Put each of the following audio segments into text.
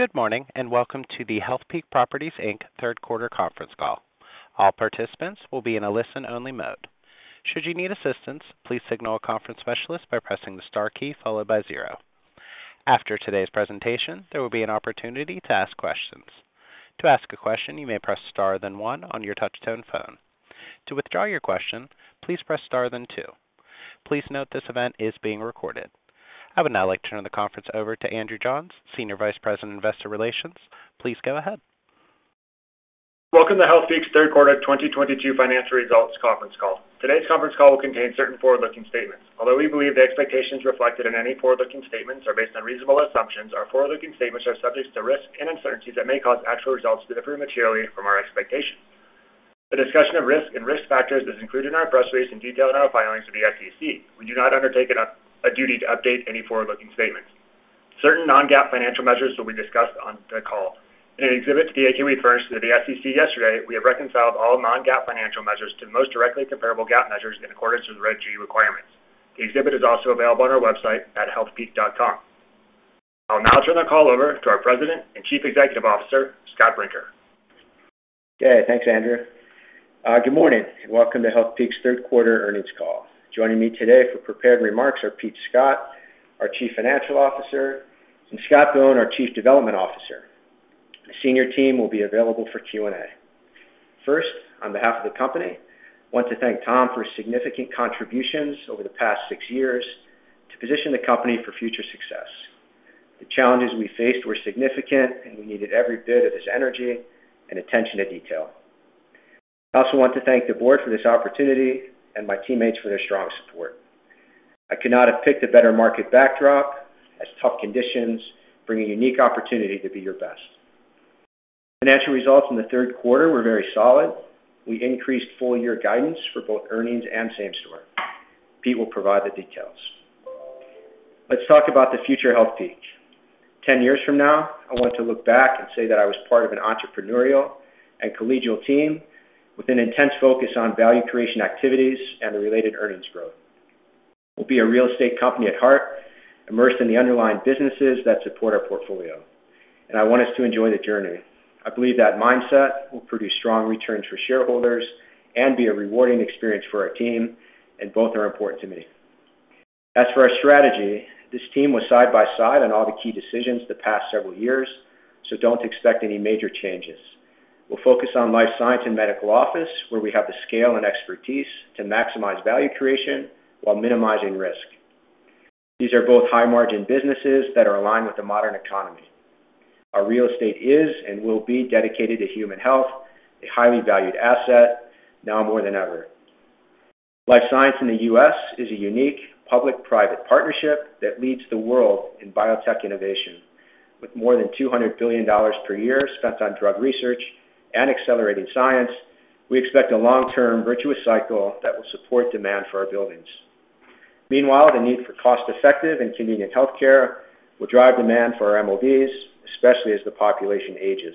Good morning, and welcome to the Healthpeak Properties, Inc. third quarter conference call. All participants will be in a listen-only mode. Should you need assistance, please signal a conference specialist by pressing the star key followed by zero. After today's presentation, there will be an opportunity to ask questions. To ask a question, you may press star then one on your touch-tone phone. To withdraw your question, please press star then two. Please note this event is being recorded. I would now like to turn the conference over to Andrew Johns, Senior Vice President, Investor Relations. Please go ahead. Welcome to Healthpeak's Third Quarter 2022 Financial Results Conference Call. Today's conference call will contain certain forward-looking statements. Although we believe the expectations reflected in any forward-looking statements are based on reasonable assumptions, our forward-looking statements are subject to risks and uncertainties that may cause actual results to differ materially from our expectations. A discussion of risks and risk factors is included in our press release in detail in our filings with the SEC. We do not undertake a duty to update any forward-looking statements. Certain non-GAAP financial measures will be discussed on the call. In an exhibit to the 8-K we furnished to the SEC yesterday, we have reconciled all non-GAAP financial measures to the most directly comparable GAAP measures in accordance with the regulatory requirements. The exhibit is also available on our website at healthpeak.com. I will now turn the call over to our President and Chief Executive Officer, Scott Brinker. Okay, thanks, Andrew. Good morning and welcome to Healthpeak's 3rd quarter earnings call. Joining me today for prepared remarks are Pete Scott, our Chief Financial Officer, and Scott Bohn, our Chief Development Officer. The senior team will be available for Q&A. First, on behalf of the company, I want to thank Tom for his significant contributions over the past six years to position the company for future success. The challenges we faced were significant, and we needed every bit of his energy and attention to detail. I also want to thank the board for this opportunity and my teammates for their strong support. I could not have picked a better market backdrop as tough conditions bring a unique opportunity to be your best. Financial results in the 3rd quarter were very solid. We increased full-year guidance for both earnings and same-store. Pete will provide the details. Let's talk about the future of Healthpeak. 10 years from now, I want to look back and say that I was part of an entrepreneurial and collegial team with an intense focus on value creation activities and the related earnings growth. We'll be a real estate company at heart, immersed in the underlying businesses that support our portfolio, and I want us to enjoy the journey. I believe that mindset will produce strong returns for shareholders and be a rewarding experience for our team, and both are important to me. As for our strategy, this team was side by side on all the key decisions the past several years, so don't expect any major changes. We'll focus on life science and medical office, where we have the scale and expertise to maximize value creation while minimizing risk. These are both high-margin businesses that are aligned with the modern economy. Our real estate is and will be dedicated to human health, a highly valued asset, now more than ever. Life science in the U.S. is a unique public-private partnership that leads the world in biotech innovation. With more than $200 billion per year spent on drug research and accelerating science, we expect a long-term virtuous cycle that will support demand for our buildings. Meanwhile, the need for cost-effective and convenient healthcare will drive demand for our MOBs, especially as the population ages.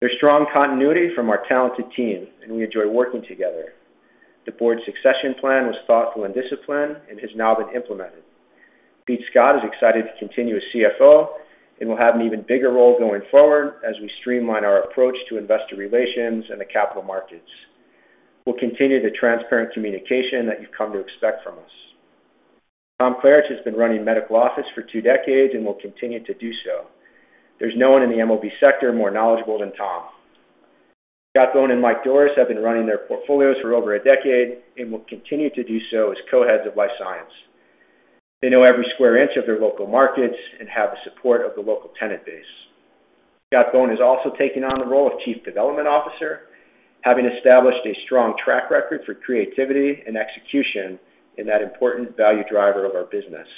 There's strong continuity from our talented team, and we enjoy working together. The board's succession plan was thoughtful and disciplined and has now been implemented. Pete Scott is excited to continue as CFO and will have an even bigger role going forward as we streamline our approach to investor relations and the capital markets. We'll continue the transparent communication that you've come to expect from us. Tom Klaritch has been running medical office for two decades and will continue to do so. There's no one in the MOB sector more knowledgeable than Tom. Scott Bohn and Mike Dorris have been running their portfolios for over a decade and will continue to do so as co-heads of life science. They know every square inch of their local markets and have the support of the local tenant base. Scott Bohn is also taking on the role of Chief Development Officer, having established a strong track record for creativity and execution in that important value driver of our business.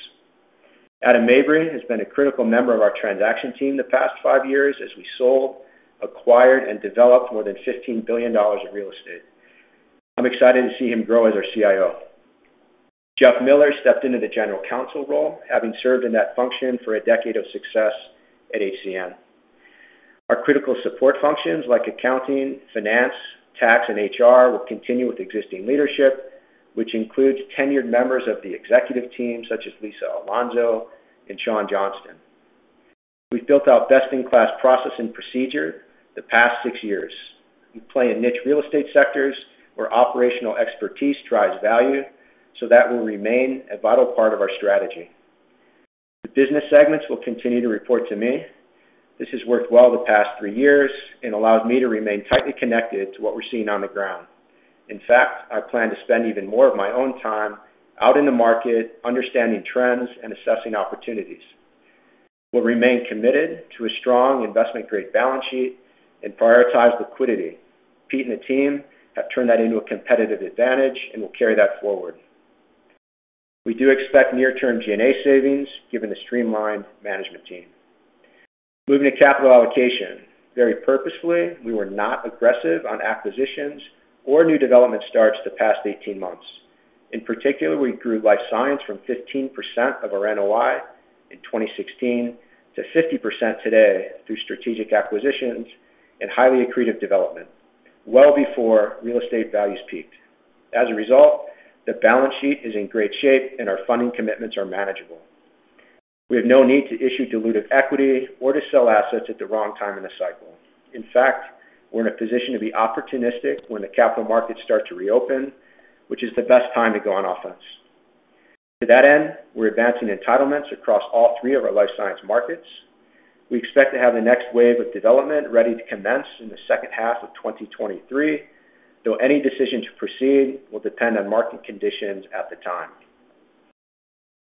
Adam Mabry has been a critical member of our transaction team the past five years as we sold, acquired, and developed more than $15 billion of real estate. I'm excited to see him grow as our CIO. Jeff Miller stepped into the general counsel role, having served in that function for a decade of success at HCP. Our critical support functions like accounting, finance, tax, and HR will continue with existing leadership, which includes tenured members of the executive team such as Lisa Alonso and Shawn Johnston. We've built out best-in-class process and procedure the past six years. We play in niche real estate sectors where operational expertise drives value, so that will remain a vital part of our strategy. The business segments will continue to report to me. This has worked well the past three years and allows me to remain tightly connected to what we're seeing on the ground. In fact, I plan to spend even more of my own time out in the market, understanding trends, and assessing opportunities. We'll remain committed to a strong investment-grade balance sheet and prioritize liquidity. Pete and the team have turned that into a competitive advantage, and we'll carry that forward. We do expect near-term G&A savings given the streamlined management team. Moving to capital allocation. Very purposefully, we were not aggressive on acquisitions or new development starts the past 18 months. In particular, we grew life science from 15% of our NOI in 2016 to 50% today through strategic acquisitions and highly accretive development. Well before real estate values peaked. As a result, the balance sheet is in great shape, and our funding commitments are manageable. We have no need to issue diluted equity or to sell assets at the wrong time in the cycle. In fact, we're in a position to be opportunistic when the capital markets start to reopen, which is the best time to go on offense. To that end, we're advancing entitlements across all three of our life science markets. We expect to have the next wave of development ready to commence in the 2nd half of 2023, though any decision to proceed will depend on market conditions at the time.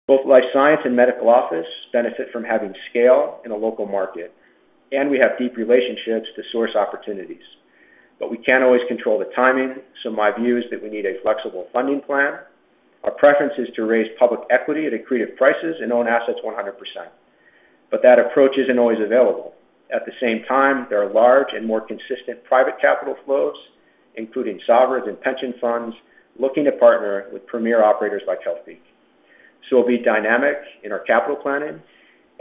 Both life science and medical office benefit from having scale in a local market, and we have deep relationships to source opportunities. We can't always control the timing, so my view is that we need a flexible funding plan. Our preference is to raise public equity at accretive prices and own assets 100%. That approach isn't always available. At the same time, there are large and more consistent private capital flows, including sovereigns and pension funds, looking to partner with premier operators like Healthpeak. We'll be dynamic in our capital planning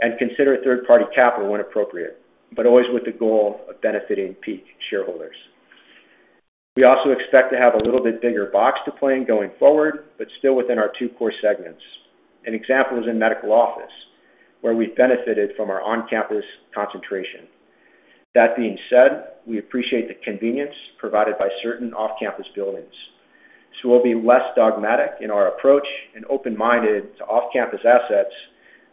and consider third-party capital when appropriate, but always with the goal of benefiting Healthpeak shareholders. We also expect to have a little bit bigger box to play in going forward, but still within our two core segments. An example is in medical office, where we benefited from our on-campus concentration. That being said, we appreciate the convenience provided by certain off-campus buildings. We'll be less dogmatic in our approach and open-minded to off-campus assets,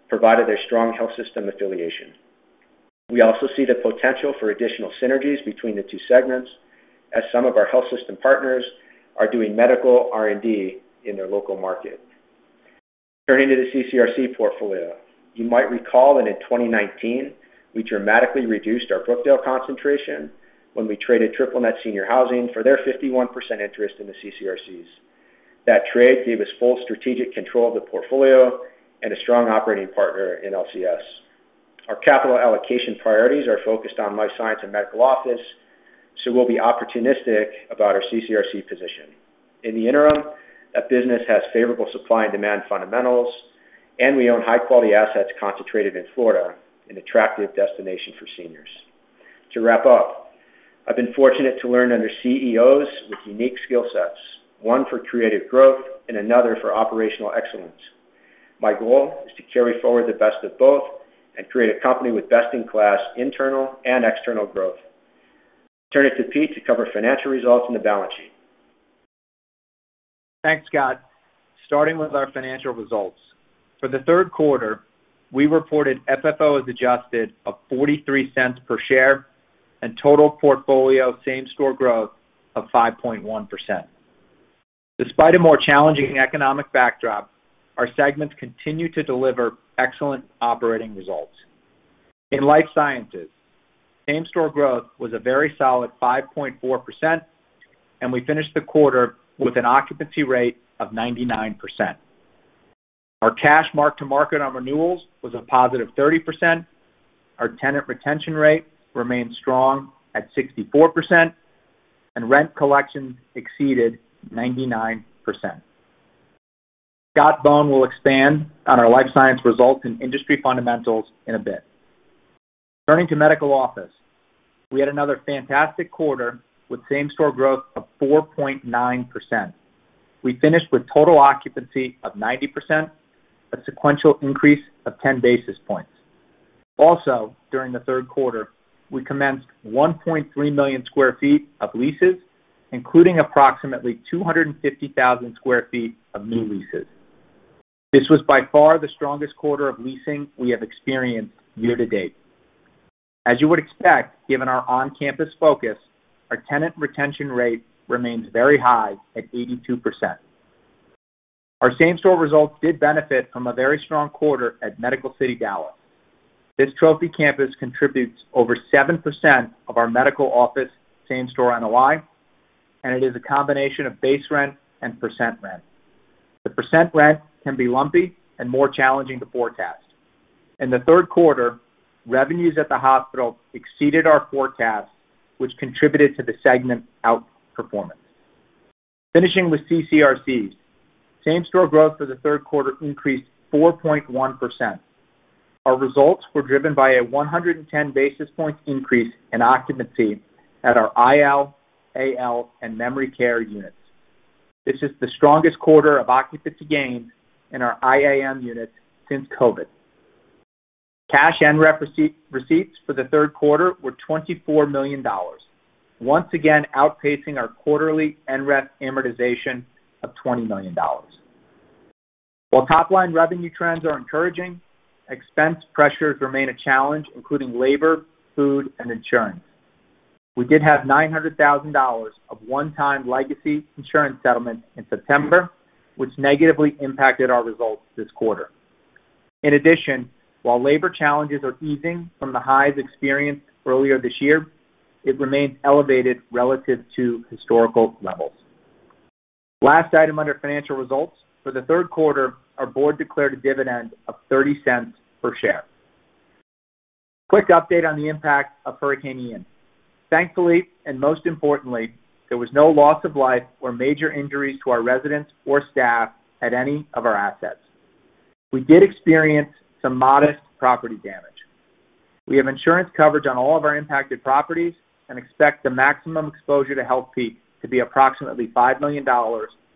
provided their strong health system affiliation. We also see the potential for additional synergies between the two segments, as some of our health system partners are doing medical R&D in their local market. Turning to the CCRC portfolio. You might recall that in 2019, we dramatically reduced our Brookdale concentration when we traded triple net senior housing for their 51% interest in the CCRCs. That trade gave us full strategic control of the portfolio and a strong operating partner in LCS. Our capital allocation priorities are focused on life science and medical office, so we'll be opportunistic about our CCRC position. In the interim, that business has favorable supply and demand fundamentals, and we own high-quality assets concentrated in Florida, an attractive destination for seniors. To wrap up, I've been fortunate to learn under CEOs with unique skill sets, one for creative growth and another for operational excellence. My goal is to carry forward the best of both and create a company with best-in-class internal and external growth. Turn it to Pete to cover financial results and the balance sheet. Thanks, Scott. Starting with our financial results. For the 3rd quarter, we reported FFO as adjusted of $0.43 per share and total portfolio same-store growth of 5.1%. Despite a more challenging economic backdrop, our segments continue to deliver excellent operating results. In life sciences, same-store growth was a very solid 5.4%, and we finished the quarter with an occupancy rate of 99%. Our cash mark to market on renewals was a positive 30%. Our tenant retention rate remained strong at 64%, and rent collection exceeded 99%. Scott Bohn will expand on our life science results and industry fundamentals in a bit. Turning to medical office, we had another fantastic quarter with same-store growth of 4.9%. We finished with total occupancy of 90%, a sequential increase of 10 basis points. Also, during the 3rd quarter, we commenced 1.3 million sq ft of leases, including approximately 250,000 sq ft of new leases. This was by far the strongest quarter of leasing we have experienced year to date. As you would expect, given our on-campus focus, our tenant retention rate remains very high at 82%. Our same-store results did benefit from a very strong quarter at Medical City, Dallas. This trophy campus contributes over 7% of our medical office same-store NOI, and it is a combination of base rent and percent rent. The percent rent can be lumpy and more challenging to forecast. In the 3rd quarter, revenues at the hospital exceeded our forecast, which contributed to the segment outperformance. Finishing with CCRCs, same-store growth for the 3rd quarter increased 4.1%. Our results were driven by a 110 basis points increase in occupancy at our IL, AL, and memory care units. This is the strongest quarter of occupancy gains in our IL, AL, and memory care units since COVID. Cash and rent receipts for the 3rd quarter were $24 million, once again outpacing our accrued rent amortization of $20 million. While top-line revenue trends are encouraging, expense pressures remain a challenge, including labor, food, and insurance. We did have $900,000 of one-time legacy insurance settlement in September, which negatively impacted our results this quarter. In addition, while labor challenges are easing from the highs experienced earlier this year, it remains elevated relative to historical levels. Last item under financial results. For the 3rd quarter, our board declared a dividend of $0.30 per share. Quick update on the impact of Hurricane Ian. Thankfully, and most importantly, there was no loss of life or major injuries to our residents or staff at any of our assets. We did experience some modest property damage. We have insurance coverage on all of our impacted properties and expect the maximum exposure to Healthpeak to be approximately $5 million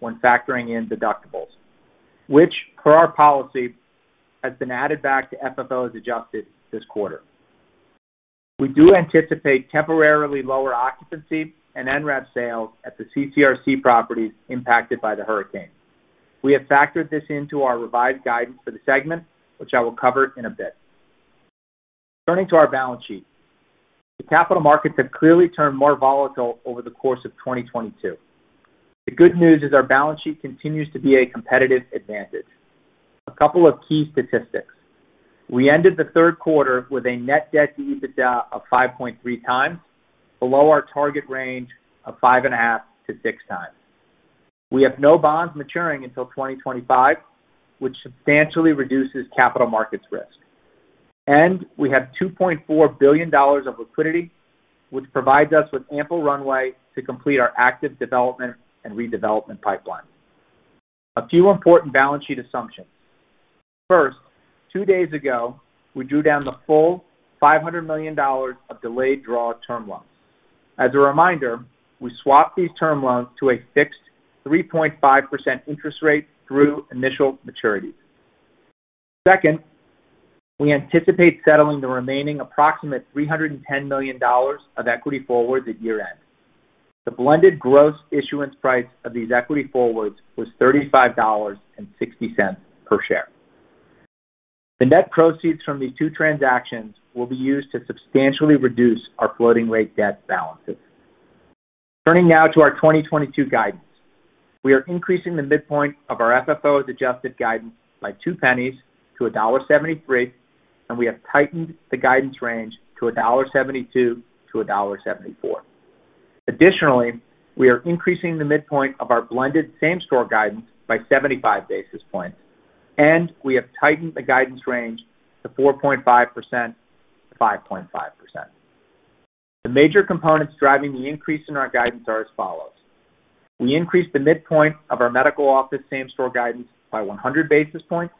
when factoring in deductibles, which per our policy has been added back to FFO as adjusted this quarter. We do anticipate temporarily lower occupancy and rent sales at the CCRC properties impacted by the hurricane. We have factored this into our revised guidance for the segment, which I will cover in a bit. Turning to our balance sheet. The capital markets have clearly turned more volatile over the course of 2022. The good news is our balance sheet continues to be a competitive advantage. A couple of key statistics. We ended the 3rd quarter with a net debt to EBITDA of 5.3x, below our target range of 5.5x-6x. We have no bonds maturing until 2025, which substantially reduces capital markets risk. We have $2.4 billion of liquidity, which provides us with ample runway to complete our active development and redevelopment pipeline. A few important balance sheet assumptions. First, two days ago, we drew down the full $500 million of delayed draw term loans. As a reminder, we swapped these term loans to a fixed 3.5% interest rate through initial maturities. Second, we anticipate settling the remaining approximate $310 million of equity forwards at year-end. The blended gross issuance price of these equity forwards was $35.60 per share. The net proceeds from these two transactions will be used to substantially reduce our floating rate debt balances. Turning now to our 2022 guidance. We are increasing the midpoint of our FFO's adjusted guidance by $0.02-$1.73, and we have tightened the guidance range to $1.72-$1.74. Additionally, we are increasing the midpoint of our blended same-store guidance by 75 basis points, and we have tightened the guidance range to 4.5%-5.5%. The major components driving the increase in our guidance are as follows. We increased the midpoint of our medical office same-store guidance by 100 basis points.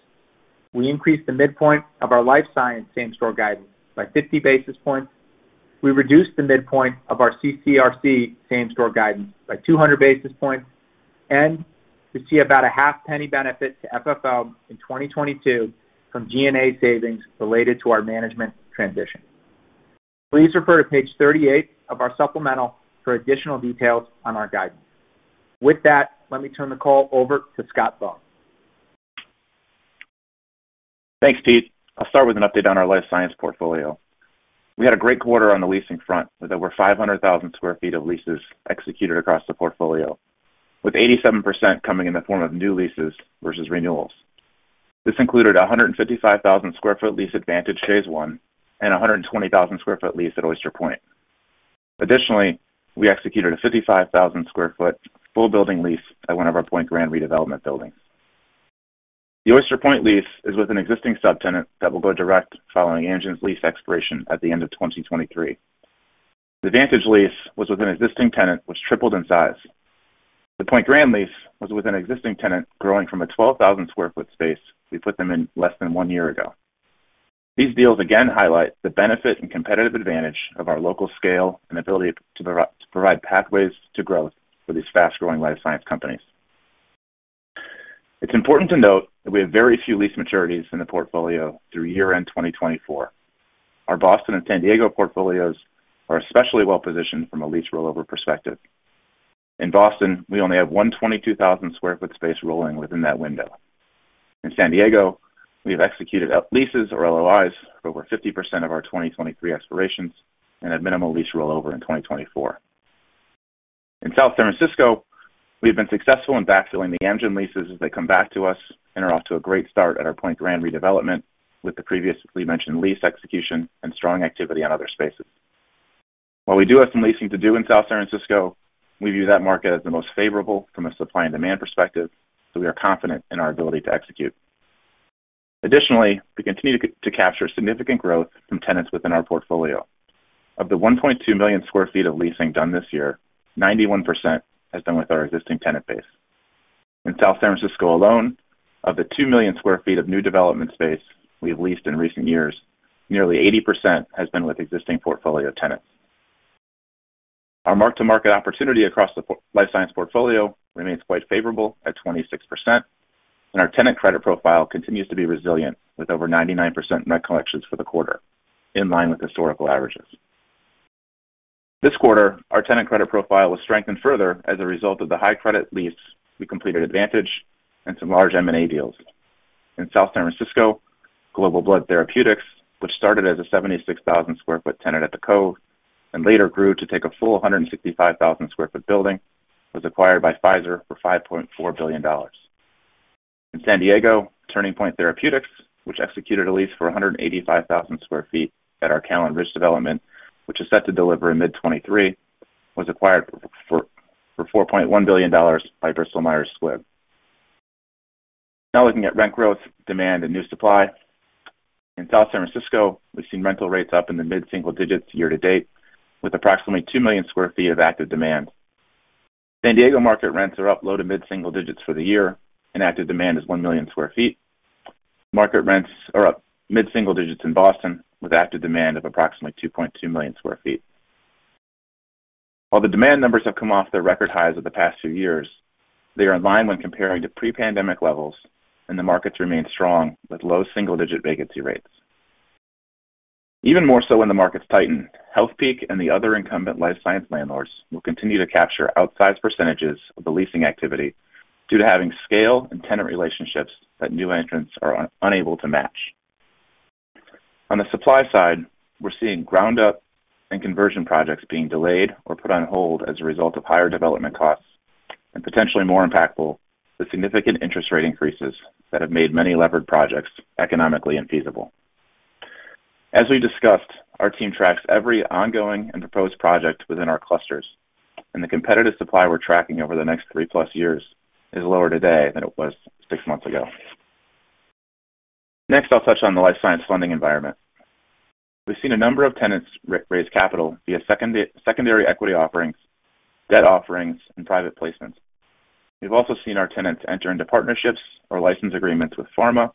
We increased the midpoint of our life science same-store guidance by 50 basis points. We reduced the midpoint of our CCRC same-store guidance by 200 basis points. We see about a half penny benefit to FFO in 2022 from G&A savings related to our management transition. Please refer to page 38 of our supplemental for additional details on our guidance. With that, let me turn the call over to Scott Bohn. Thanks, Pete. I'll start with an update on our life science portfolio. We had a great quarter on the leasing front, with over 500,000 sq ft of leases executed across the portfolio, with 87% coming in the form of new leases versus renewals. This included a 155,000 sq ft lease at Vantage Phase one and a 120,000 sq ft lease at Oyster Point. Additionally, we executed a 55,000 sq ft full building lease at one of our Pointe Grand redevelopment buildings. The Oyster Point lease is with an existing subtenant that will go direct following Amgen's lease expiration at the end of 2023. The Vantage lease was with an existing tenant which tripled in size. The Pointe Grand lease was with an existing tenant growing from a 12,000 sq ft space we put them in less than one year ago. These deals again highlight the benefit and competitive advantage of our local scale and ability to provide pathways to growth for these fast-growing life science companies. It's important to note that we have very few lease maturities in the portfolio through year-end 2024. Our Boston and San Diego portfolios are especially well positioned from a lease rollover perspective. In Boston, we only have one 22,000 sq ft space rolling within that window. In San Diego, we have executed our leases or LOIs for over 50% of our 2023 expirations and have minimal lease rollover in 2024. In South San Francisco, we've been successful in backfilling the Amgen leases as they come back to us and are off to a great start at our Pointe Grand redevelopment with the previously mentioned lease execution and strong activity on other spaces. While we do have some leasing to do in South San Francisco, we view that market as the most favorable from a supply and demand perspective, so we are confident in our ability to execute. Additionally, we continue to capture significant growth from tenants within our portfolio. Of the 1.2 million sq ft of leasing done this year, 91% has been with our existing tenant base. In South San Francisco alone, of the two million square feet of new development space we have leased in recent years, nearly 80% has been with existing portfolio tenants. Our mark-to-market opportunity across the life science portfolio remains quite favorable at 26%, and our tenant credit profile continues to be resilient, with over 99% net collections for the quarter, in line with historical averages. This quarter, our tenant credit profile was strengthened further as a result of the high credit leases we completed at Vantage and some large M&A deals. In South San Francisco, Global Blood Therapeutics, which started as a 76,000 sq ft tenant at The Cove and later grew to take a full 165,000 sq ft building, was acquired by Pfizer for $5.4 billion. In San Diego, Turning Point Therapeutics, which executed a lease for a 185,000 sq ft at our Callan Ridge development, which is set to deliver in mid-2023, was acquired for $4.1 billion by Bristol Myers Squibb. Now looking at rent growth, demand, and new supply. In South San Francisco, we've seen rental rates up in the mid-single-digit year-to-date, with approximately two million square feet of active demand. San Diego market rents are up low- to mid-single-digit for the year, and active demand is one million square feet. Market rents are up mid-single-digit in Boston, with active demand of approximately 2.2 million square feet. While the demand numbers have come off their record highs of the past few years, they are in line when comparing to pre-pandemic levels, and the markets remain strong with low-single-digit vacancy rates. Even more so when the markets tighten, Healthpeak and the other incumbent life science landlords will continue to capture outsized percentages of the leasing activity due to having scale and tenant relationships that new entrants are unable to match. On the supply side, we're seeing ground-up and conversion projects being delayed or put on hold as a result of higher development costs, and potentially more impactful, the significant interest rate increases that have made many levered projects economically infeasible. As we discussed, our team tracks every ongoing and proposed project within our clusters, and the competitive supply we're tracking over the next three plus years is lower today than it was six months ago. Next, I'll touch on the life science funding environment. We've seen a number of tenants raise capital via secondary equity offerings, debt offerings, and private placements. We've also seen our tenants enter into partnerships or license agreements with pharma,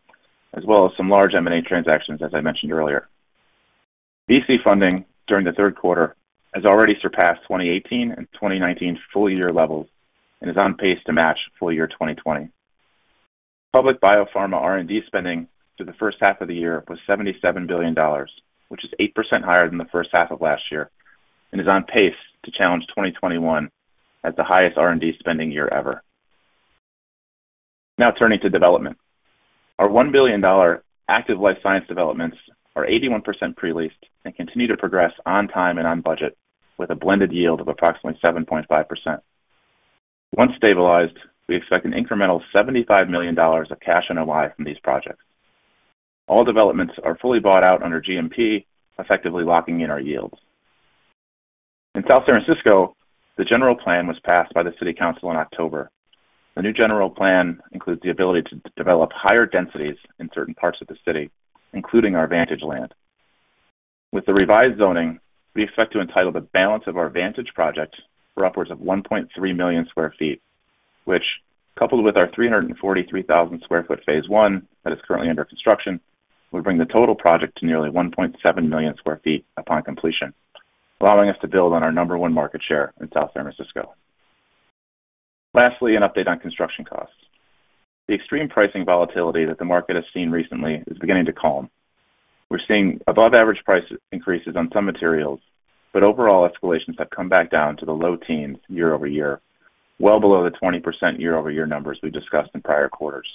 as well as some large M&A transactions, as I mentioned earlier. VC funding during the 3rd quarter has already surpassed 2018 and 2019 full year levels and is on pace to match full year 2020. Public biopharma R&D spending through the 1st half of the year was $77 billion, which is 8% higher than the 1st half of last year and is on pace to challenge 2021 as the highest R&D spending year ever. Now turning to development. Our $1 billion active life science developments are 81% pre-leased and continue to progress on time and on budget with a blended yield of approximately 7.5%. Once stabilized, we expect an incremental $75 million of cash NOI from these projects. All developments are fully bought out under GMP, effectively locking in our yields. In South San Francisco, the general plan was passed by the city council in October. The new general plan includes the ability to develop higher densities in certain parts of the city, including our Vantage land. With the revised zoning, we expect to entitle the balance of our Vantage project for upwards of 1.3 million square feet, which, coupled with our 343,000 sq ft phase one that is currently under construction, will bring the total project to nearly 1.7 million square feet upon completion, allowing us to build on our number one market share in South San Francisco. Lastly, an update on construction costs. The extreme pricing volatility that the market has seen recently is beginning to calm. We're seeing above average price increases on some materials, but overall escalations have come back down to the low teens year-over-year, well below the 20% year-over-year numbers we discussed in prior quarters.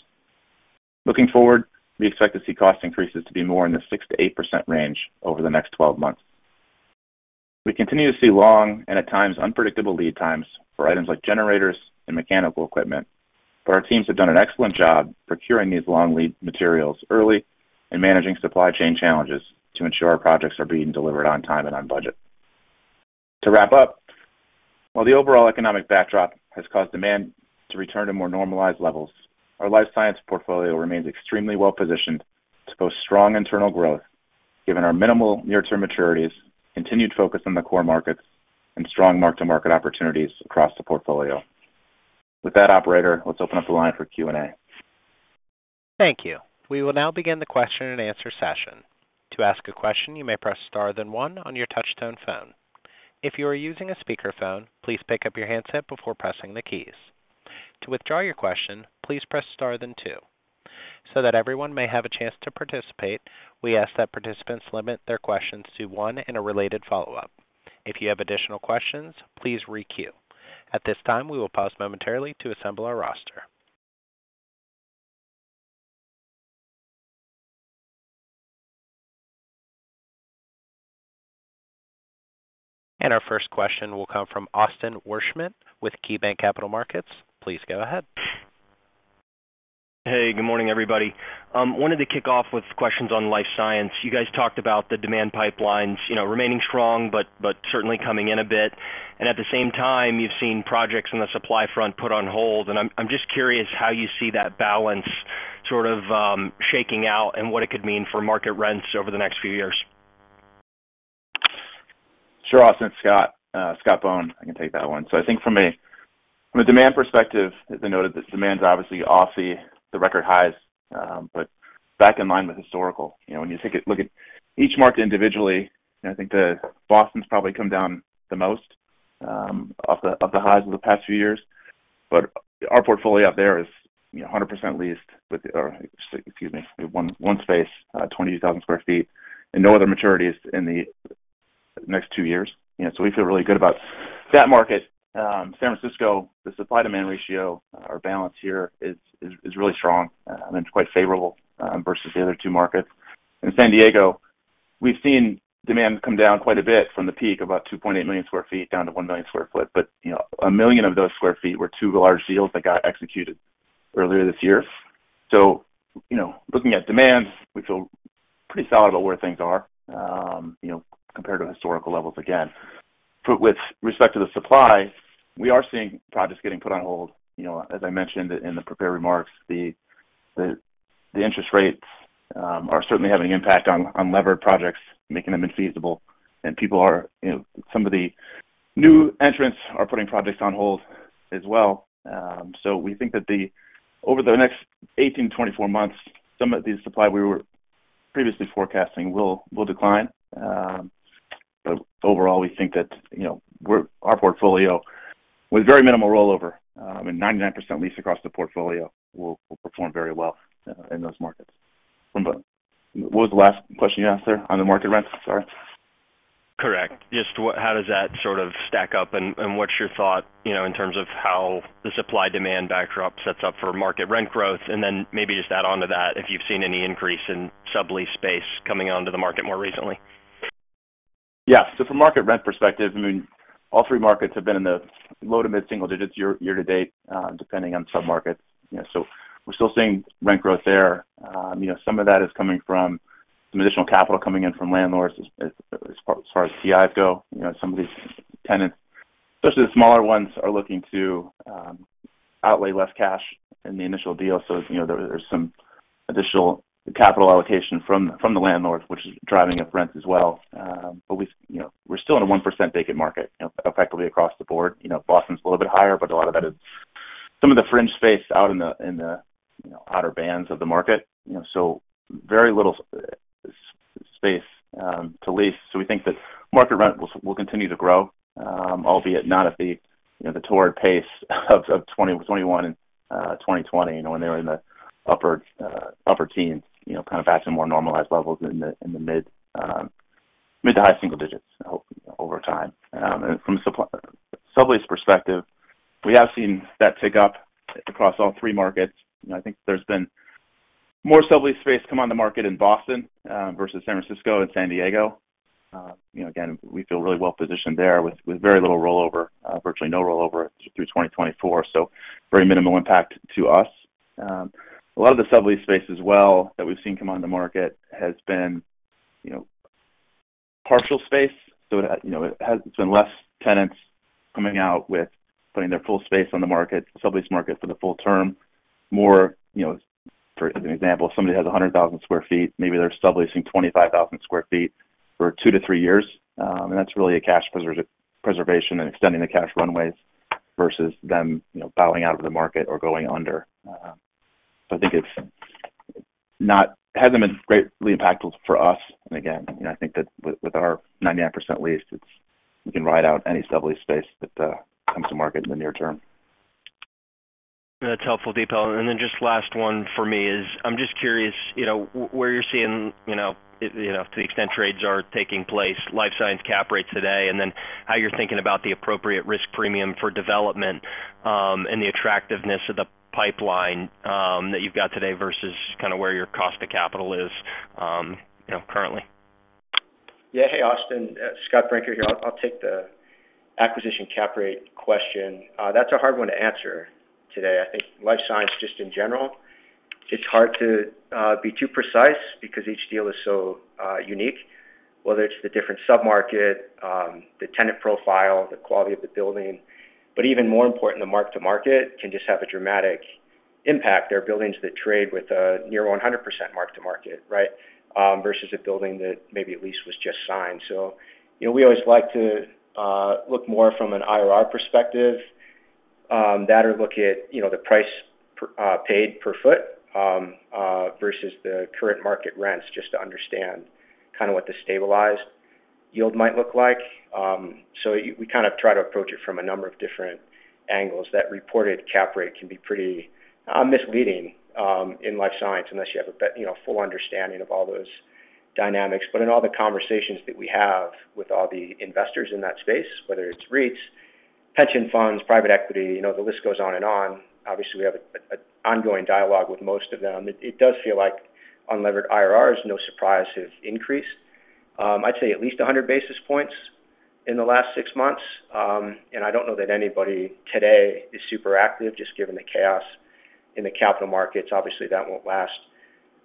Looking forward, we expect to see cost increases to be more in the 6%-8% range over the next twelve months. We continue to see long and at times unpredictable lead times for items like generators and mechanical equipment, but our teams have done an excellent job procuring these long lead materials early and managing supply chain challenges to ensure our projects are being delivered on time and on budget. To wrap up, while the overall economic backdrop has caused demand to return to more normalized levels, our life science portfolio remains extremely well positioned to post strong internal growth given our minimal near-term maturities, continued focus on the core markets, and strong mark-to-market opportunities across the portfolio. With that, operator, let's open up the line for Q&A. Thank you. We will now begin the question-and-answer session. To ask a question, you may press star then one on your touch-tone phone. If you are using a speakerphone, please pick up your handset before pressing the keys. To withdraw your question, please press star then two. So that everyone may have a chance to participate, we ask that participants limit their questions to one and a related follow-up. If you have additional questions, please re-queue. At this time, we will pause momentarily to assemble our roster. Our first question will come from Austin Wurschmidt with KeyBanc Capital Markets. Please go ahead. Hey, good morning, everybody. Wanted to kick off with questions on life science. You guys talked about the demand pipelines, you know, remaining strong, but certainly coming in a bit. At the same time, you've seen projects on the supply front put on hold. I'm just curious how you see that balance sort of shaking out and what it could mean for market rents over the next few years. Sure, Austin. Scott Bohn. I can take that one. So I think from a demand perspective, as I noted, this demand's obviously off the record highs, but back in line with historical. You know, when you take a look at each market individually, and I think Boston's probably come down the most, off the highs over the past few years. Our portfolio out there is, you know, 100% leased, one space, 22,000 sq ft and no other maturities in the next two years. You know, we feel really good about that market. San Francisco, the supply-demand ratio, our balance here is really strong, and it's quite favorable versus the other two markets. In San Diego, we've seen demand come down quite a bit from the peak, about 2.8 million square feet down to one million square foot. You know, a million of those square feet were two large deals that got executed earlier this year. Looking at demand, we feel pretty solid about where things are, you know, compared to historical levels again. With respect to the supply, we are seeing projects getting put on hold. You know, as I mentioned in the prepared remarks, the interest rates are certainly having an impact on levered projects, making them infeasible. People are, you know, some of the new entrants are putting projects on hold as well. We think that over the next 18 months to 24 months, some of the supply we were previously forecasting will decline. Overall, we think that, you know, our portfolio with very minimal rollover and 99% leased across the portfolio will perform very well in those markets. What was the last question you asked there on the market rents? Sorry. Correct. Just how does that sort of stack up and what's your thought, you know, in terms of how the supply-demand backdrop sets up for market rent growth? Maybe just add onto that if you've seen any increase in sublease space coming onto the market more recently. Yeah. From market rent perspective, I mean, all three markets have been in the low- to mid-single digits year-over-year to date, depending on submarkets, you know. We're still seeing rent growth there. You know, some of that is coming from some additional capital coming in from landlords as far as TIs go. You know, some of these tenants, especially the smaller ones, are looking to outlay less cash in the initial deal. You know, there's some additional capital allocation from the landlords, which is driving up rents as well. But we, you know, we're still in a 1% vacant market, you know, effectively across the board. You know, Boston's a little bit higher, but a lot of that is some of the fringe space out in the outer bands of the market. You know, very little space to lease. We think that market rent will continue to grow, albeit not at the, you know, the torrid pace of 2021, 2020, you know, when they were in the upper teens%, you know, kind of back to more normalized levels in the mid- to high-single digits% over time. From a sublease perspective, we have seen that pick up across all three markets, and I think there's been more sublease space come on the market in Boston versus San Francisco and San Diego. You know, again, we feel really well positioned there with very little rollover, virtually no rollover through 2024, very minimal impact to us. A lot of the sublease space as well that we've seen come on the market has been, you know, partial space. So it, you know, it has been less tenants coming out with putting their full space on the market, sublease market for the full term. More, you know, for as an example, if somebody has 100,000 sq ft, maybe they're subleasing 25,000 sq ft for two to three years, and that's really a cash preservation and extending the cash runways versus them, you know, bowing out of the market or going under. So I think it hasn't been greatly impactful for us. Again, you know, I think that with our 99% leased, we can ride out any sublease space that comes to market in the near term. That's helpful detail. Then just last one for me is, I'm just curious, you know, where you're seeing, you know, to the extent trades are taking place, life science cap rates today, and then how you're thinking about the appropriate risk premium for development, and the attractiveness of the pipeline that you've got today versus kind of where your cost of capital is, you know, currently. Yeah. Hey, Austin. Scott Brinker here. I'll take the acquisition cap rate question. That's a hard one to answer today. I think life science, just in general, it's hard to be too precise because each deal is so unique, whether it's the different submarket, the tenant profile, the quality of the building. But even more important, the mark-to-market can just have a dramatic impact. There are buildings that trade with near 100% mark-to-market, right? Versus a building that maybe a lease was just signed. You know, we always like to look more from an IRR perspective, that or look at, you know, the price per paid per foot versus the current market rents just to understand kind of what the stabilized yield might look like. We kind of try to approach it from a number of different angles. That reported cap rate can be pretty misleading in life science unless you have a you know, full understanding of all those dynamics. In all the conversations that we have with all the investors in that space, whether it's REITs, pension funds, private equity, you know, the list goes on and on. Obviously, we have an ongoing dialogue with most of them. It does feel like unlevered IRRs, no surprise, have increased. I'd say at least 100 basis points in the last six months. I don't know that anybody today is super active just given the chaos in the capital markets. Obviously, that won't last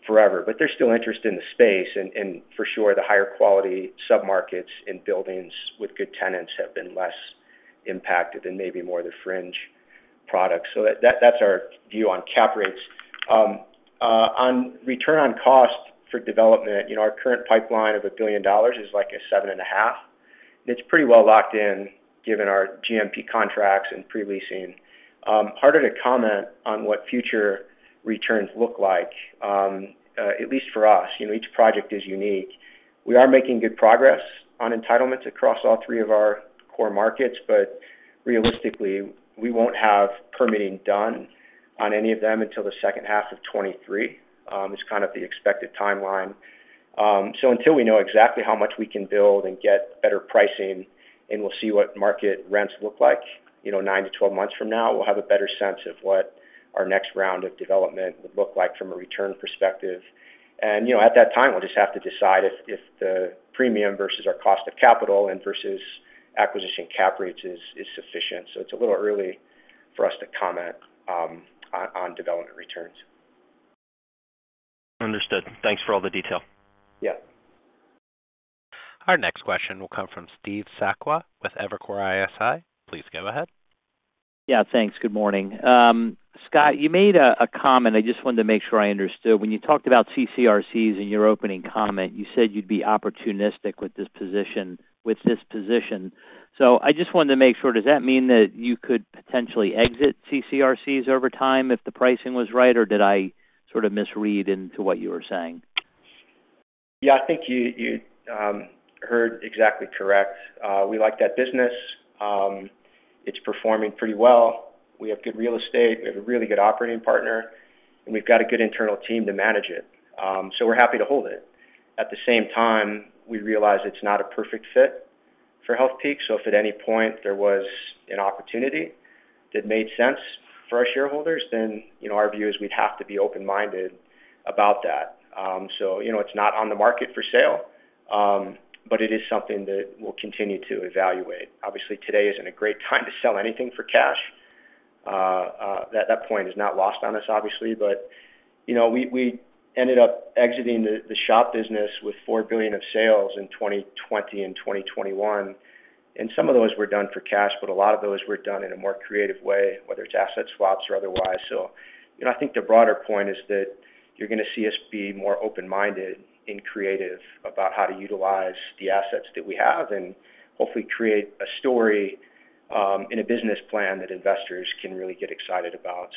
forever. There's still interest in the space and for sure the higher quality submarkets and buildings with good tenants have been less impacted than maybe more the fringe products. That's our view on cap rates. On return on cost for development, you know, our current pipeline of $1 billion is like a 7.5%. It's pretty well locked in given our GMP contracts and pre-leasing. Harder to comment on what future returns look like, at least for us. You know, each project is unique. We are making good progress on entitlements across all three of our core markets, but realistically, we won't have permitting done on any of them until the 2nd half of 2023, is kind of the expected timeline. Until we know exactly how much we can build and get better pricing, and we'll see what market rents look like, you know, nine to 12 months from now, we'll have a better sense of what our next round of development would look like from a return perspective. You know, at that time, we'll just have to decide if the premium versus our cost of capital and versus acquisition cap rates is sufficient. It's a little early for us to comment on development returns. Understood. Thanks for all the detail. Yeah. Our next question will come from Steve Sakwa with Evercore ISI. Please go ahead. Yeah, thanks. Good morning. Scott, you made a comment I just wanted to make sure I understood. When you talked about CCRCs in your opening comment, you said you'd be opportunistic with this position. I just wanted to make sure, does that mean that you could potentially exit CCRCs over time if the pricing was right, or did I sort of misread into what you were saying? Yeah, I think you heard exactly correct. We like that business. It's performing pretty well. We have good real estate. We have a really good operating partner, and we've got a good internal team to manage it. We're happy to hold it. At the same time, we realize it's not a perfect fit for Healthpeak. If at any point there was an opportunity that made sense for our shareholders, then, you know, our view is we'd have to be open-minded about that. You know, it's not on the market for sale, but it is something that we'll continue to evaluate. Obviously, today isn't a great time to sell anything for cash. That point is not lost on us obviously, but, you know, we ended up exiting the shop business with $4 billion of sales in 2020 and 2021, and some of those were done for cash, but a lot of those were done in a more creative way, whether it's asset swaps or otherwise. You know, I think the broader point is that you're gonna see us be more open-minded and creative about how to utilize the assets that we have and hopefully create a story in a business plan that investors can really get excited about.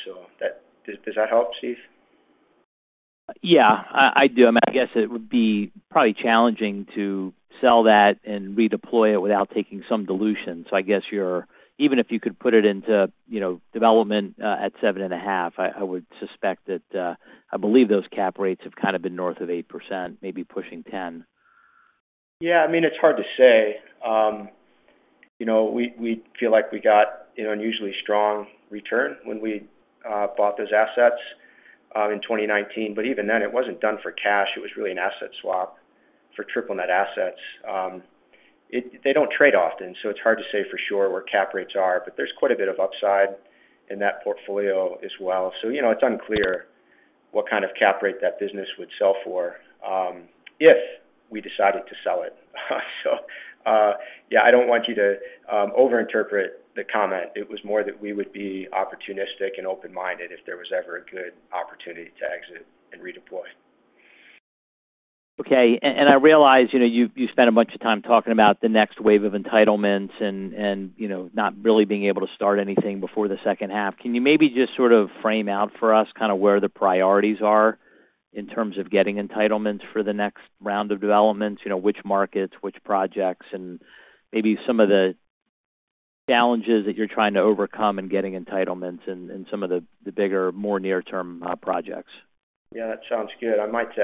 Does that help, Steve? Yeah. I do. I mean, I guess it would be probably challenging to sell that and redeploy it without taking some dilution. Even if you could put it into development at 7.5%, I would suspect that I believe those cap rates have kind of been north of 8%, maybe pushing 10%. Yeah. I mean, it's hard to say. You know, we feel like we got an unusually strong return when we bought those assets in 2019, but even then, it wasn't done for cash. It was really an asset swap for triple net assets. They don't trade often, so it's hard to say for sure where cap rates are, but there's quite a bit of upside in that portfolio as well. You know, it's unclear what kind of cap rate that business would sell for if we decided to sell it. Yeah, I don't want you to overinterpret the comment. It was more that we would be opportunistic and open-minded if there was ever a good opportunity to exit and redeploy. I realize, you know, you spent a bunch of time talking about the next wave of entitlements and, you know, not really being able to start anything before the 2nd half. Can you maybe just sort of frame out for us kind of where the priorities are in terms of getting entitlements for the next round of developments? You know, which markets, which projects, and maybe some of the challenges that you're trying to overcome in getting entitlements in some of the bigger, more near-term projects. Yeah, that sounds good. I might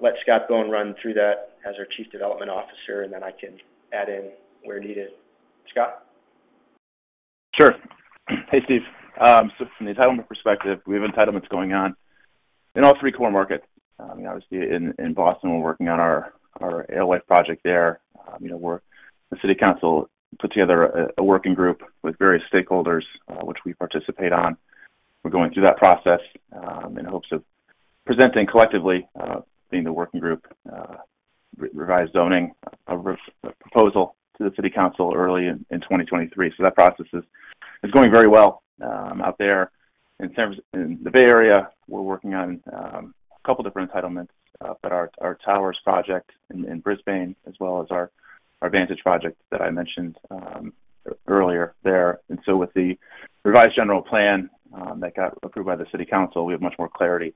let Scott go and run through that as our Chief Development Officer, and then I can add in where needed. Scott? Sure. Hey, Steve. From the entitlement perspective, we have entitlements going on in all three core markets. Obviously in Boston, we're working on our Alewife project there. You know, the city council put together a working group with various stakeholders, which we participate on. We're going through that process in hopes of presenting collectively, being the working group, revised zoning of a proposal to the city council early in 2023. That process is going very well out there. In the Bay Area, we're working on a couple different entitlements, but our Towers project in Brisbane as well as our Vantage project that I mentioned earlier there. With the revised general plan that got approved by the city council, we have much more clarity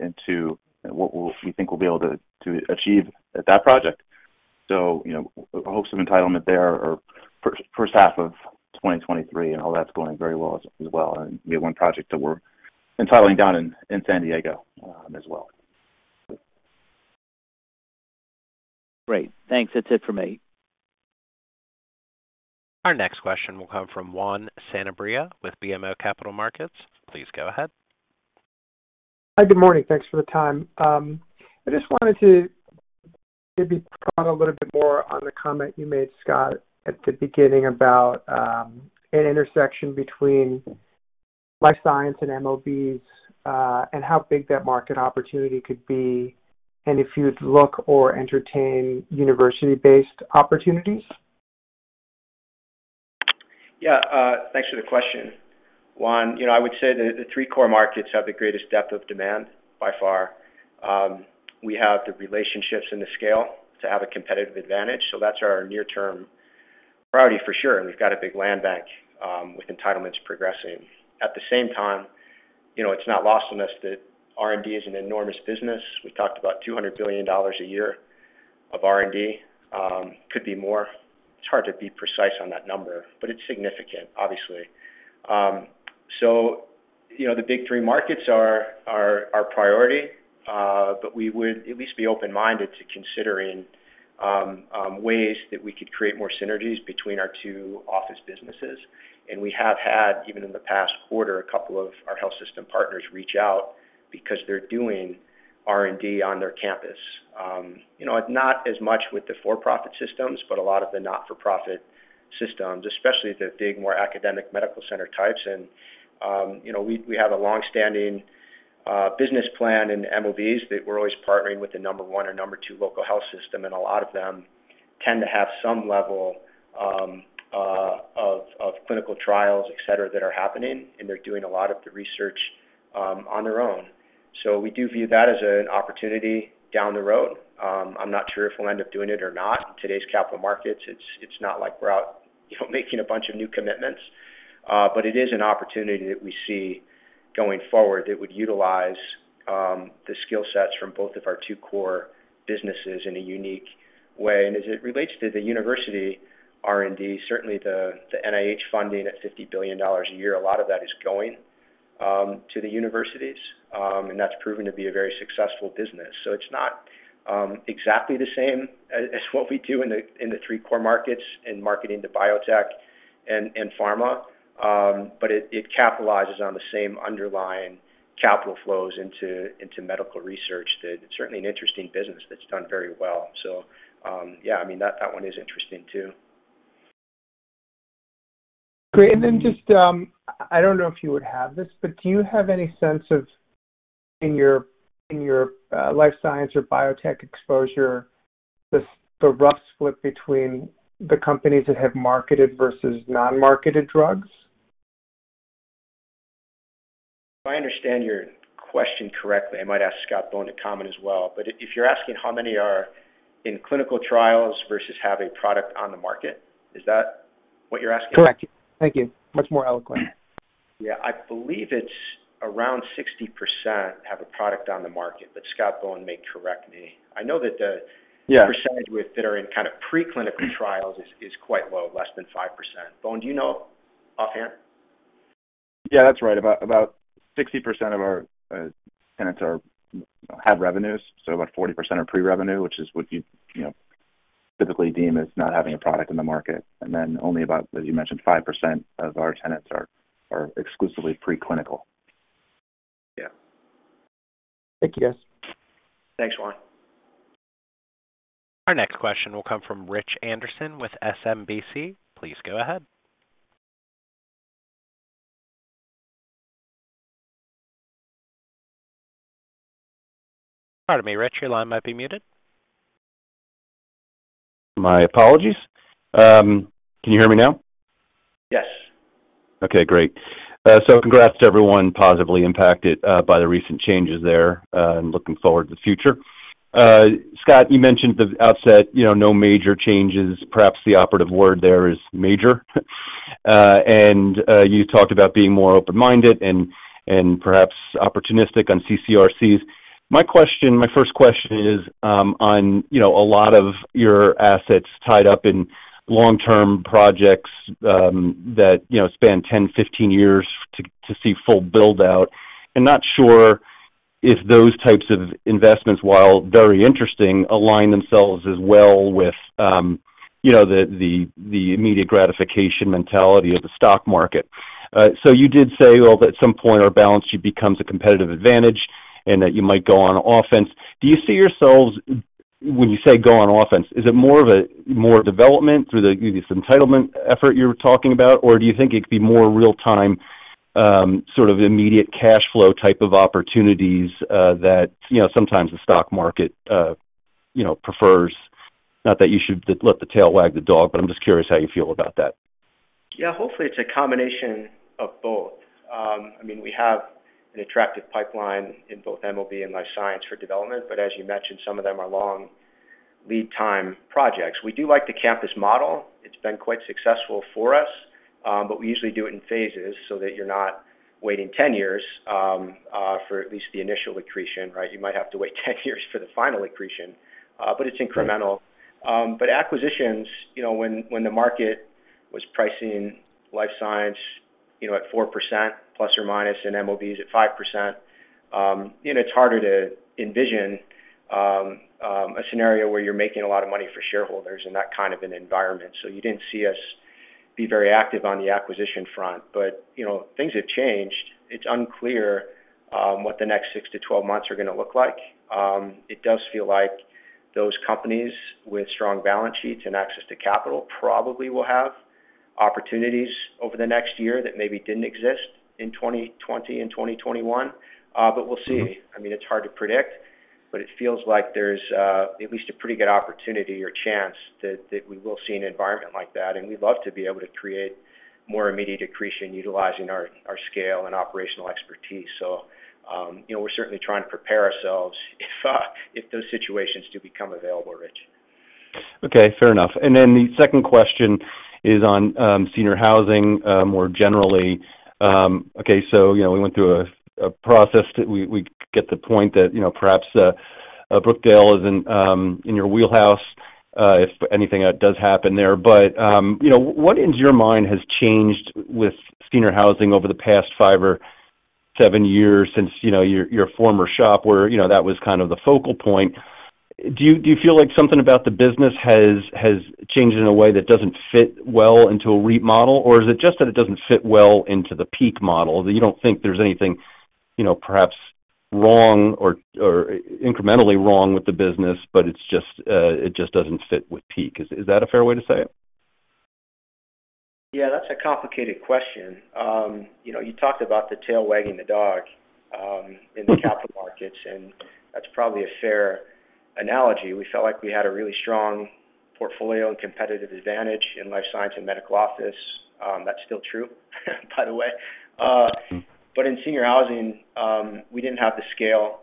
into what we think we'll be able to achieve at that project. You know, the hopes of entitlement there are 1st half of 2023, and all that's going very well as well. We have one project that we're entitling down in San Diego as well. Great. Thanks. That's it for me. Our next question will come from Juan Sanabria with BMO Capital Markets. Please go ahead. Hi. Good morning. Thanks for the time. I just wanted to maybe prod a little bit more on the comment you made, Scott, at the beginning about an intersection between life science and MOBs, and how big that market opportunity could be and if you'd look or entertain university-based opportunities? Yeah, thanks for the question, Juan. You know, I would say the three core markets have the greatest depth of demand by far. We have the relationships and the scale to have a competitive advantage, so that's our near-term priority for sure, and we've got a big land bank with entitlements progressing. At the same time, you know, it's not lost on us that R&D is an enormous business. We've talked about $200 billion a year of R&D. Could be more. It's hard to be precise on that number, but it's significant obviously. You know, the big three markets are our priority, but we would at least be open-minded to considering ways that we could create more synergies between our two office businesses. We have had, even in the past quarter, a couple of our health system partners reach out because they're doing R&D on their campus. Not as much with the for-profit systems, but a lot of the not-for-profit systems, especially the big, more academic medical center types. We have a long-standing business plan and MOBs that we're always partnering with the number one or number two local health system, and a lot of them tend to have some level of clinical trials, et cetera, that are happening, and they're doing a lot of the research on their own. We do view that as an opportunity down the road. I'm not sure if we'll end up doing it or not. In today's capital markets, it's not like we're out, you know, making a bunch of new commitments. It is an opportunity that we see going forward that would utilize the skill sets from both of our two core businesses in a unique way. As it relates to the university R&D, certainly the NIH funding at $50 billion a year, a lot of that is going to the universities, and that's proven to be a very successful business. It's not exactly the same as what we do in the three core markets in marketing to biotech and pharma, but it capitalizes on the same underlying capital flows into medical research that it's certainly an interesting business that's done very well. Yeah, I mean, that one is interesting too. Great. Just, I don't know if you would have this, but do you have any sense of in your life science or biotech exposure, the rough split between the companies that have marketed versus non-marketed drugs? If I understand your question correctly, I might ask Scott Bohn to comment as well. If you're asking how many are in clinical trials versus have a product on the market, is that what you're asking? Correct. Thank you. Much more eloquent. Yeah. I believe it's around 60% have a product on the market, but Scott Bohn may correct me. Yeah percentage with that are in kind of preclinical trials is quite low, less than 5%. Bohn, do you know offhand? Yeah, that's right. About 60% of our tenants have revenues, so about 40% are pre-revenue, which is what you'd, you know, typically deem as not having a product in the market. Only about, as you mentioned, 5% of our tenants are exclusively preclinical. Yeah. Thank you, guys. Thanks, Juan. Our next question will come from Richard Anderson with SMBC. Please go ahead. Pardon me, Rich. Your line might be muted. My apologies. Can you hear me now? Yes. Okay, great. Congrats to everyone positively impacted by the recent changes there, and looking forward to the future. Scott, you mentioned at the outset, you know, no major changes. Perhaps the operative word there is major. You talked about being more open-minded and perhaps opportunistic on CCRCs. My question, my first question is, on, you know, a lot of your assets tied up in long-term projects, that, you know, span 10, 15 years to see full build-out. I'm not sure if those types of investments, while very interesting, align themselves as well with, you know, the immediate gratification mentality of the stock market. You did say, well, at some point our balance sheet becomes a competitive advantage and that you might go on offense. Do you see yourselves, when you say go on offense, is it more development through this entitlement effort you were talking about? Or do you think it could be more real-time sort of immediate cash flow type of opportunities that you know sometimes the stock market you know prefers? Not that you should let the tail wag the dog, but I'm just curious how you feel about that? Yeah, hopefully it's a combination of both. I mean, we have an attractive pipeline in both MOB and life science for development, but as you mentioned, some of them are long lead time projects. We do like the campus model. It's been quite successful for us, but we usually do it in phases so that you're not waiting 10 years for at least the initial accretion, right? You might have to wait 10 years for the final accretion, but it's incremental. But acquisitions, you know, when the market was pricing life science, you know, at 4% plus or minus and MOBs at 5%, you know, it's harder to envision a scenario where you're making a lot of money for shareholders in that kind of an environment. You didn't see us be very active on the acquisition front. You know, things have changed. It's unclear what the next six to 12 months are gonna look like. It does feel like those companies with strong balance sheets and access to capital probably will have opportunities over the next year that maybe didn't exist in 2020 and 2021. We'll see. I mean, it's hard to predict, but it feels like there's at least a pretty good opportunity or chance that we will see an environment like that, and we'd love to be able to create more immediate accretion utilizing our scale and operational expertise. You know, we're certainly trying to prepare ourselves if those situations do become available, Rich. Okay, fair enough. The second question is on senior housing more generally. You know, we went through a process that we get the point that, you know, perhaps Brookdale is in your wheelhouse if anything does happen there. You know, what in your mind has changed with senior housing over the past five or seven years since, you know, your former shop where, you know, that was kind of the focal point? Do you feel like something about the business has changed in a way that doesn't fit well into a REIT model? Is it just that it doesn't fit well into the Healthpeak model, that you don't think there's anything, you know, perhaps wrong or incrementally wrong with the business, but it's just, it just doesn't fit with Healthpeak? Is that a fair way to say it? Yeah, that's a complicated question. You know, you talked about the tail wagging the dog in the capital markets, and that's probably a fair analogy. We felt like we had a really strong portfolio and competitive advantage in life science and medical office. That's still true, by the way. In senior housing, we didn't have the scale,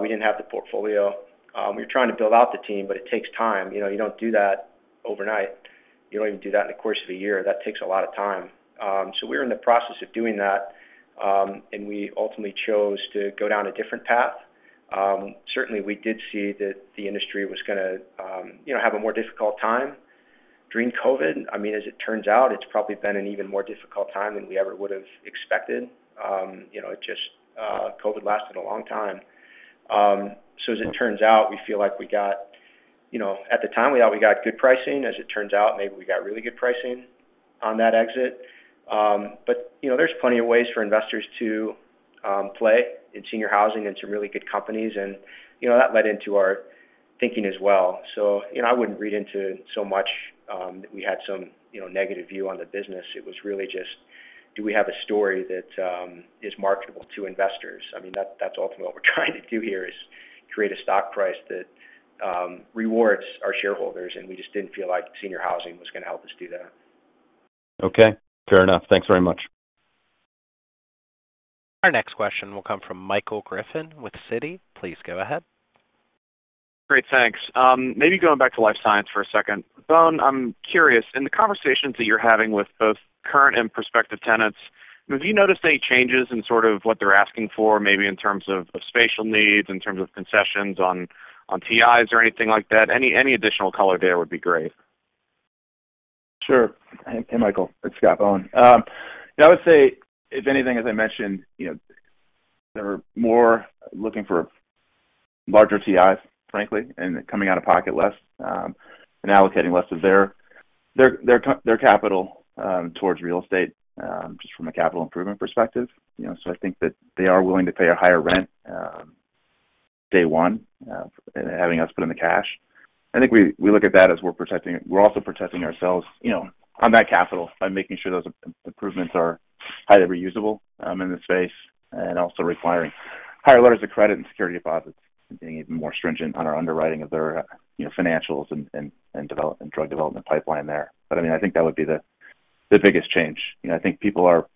we didn't have the portfolio. We were trying to build out the team, but it takes time. You know, you don't do that overnight. You don't even do that in the course of a year. That takes a lot of time. We were in the process of doing that, and we ultimately chose to go down a different path. Certainly, we did see that the industry was gonna have a more difficult time during COVID. I mean, as it turns out, it's probably been an even more difficult time than we ever would've expected. You know, it just COVID lasted a long time. As it turns out, we feel like we got. You know, at the time, we thought we got good pricing. As it turns out, maybe we got really good pricing on that exit. You know, there's plenty of ways for investors to play in senior housing and some really good companies, and you know, that led into our thinking as well. You know, I wouldn't read into so much that we had some you know, negative view on the business. It was really just, do we have a story that is marketable to investors. I mean, that's ultimately what we're trying to do here, is create a stock price that rewards our shareholders, and we just didn't feel like senior housing was gonna help us do that. Okay. Fair enough. Thanks very much. Our next question will come from Michael Griffin with Citi. Please go ahead. Great. Thanks. Maybe going back to life science for a second. Bohn, I'm curious, in the conversations that you're having with both current and prospective tenants, have you noticed any changes in sort of what they're asking for maybe in terms of spatial needs, in terms of concessions on TIs or anything like that? Any additional color there would be great. Sure. Hey, Michael, it's Scott Bohn. I would say if anything, as I mentioned, you know, they were more looking for larger TIs, frankly, and coming out of pocket less, and allocating less of their capital towards real estate, just from a capital improvement perspective. You know, I think that they are willing to pay a higher rent day one, and having us put in the cash. I think we look at that as we're protecting ourselves, you know, on that capital by making sure those improvements are highly reusable in the space and also requiring higher letters of credit and security deposits and being even more stringent on our underwriting of their financials and drug development pipeline there. I mean, I think that would be the biggest change. You know, I think people are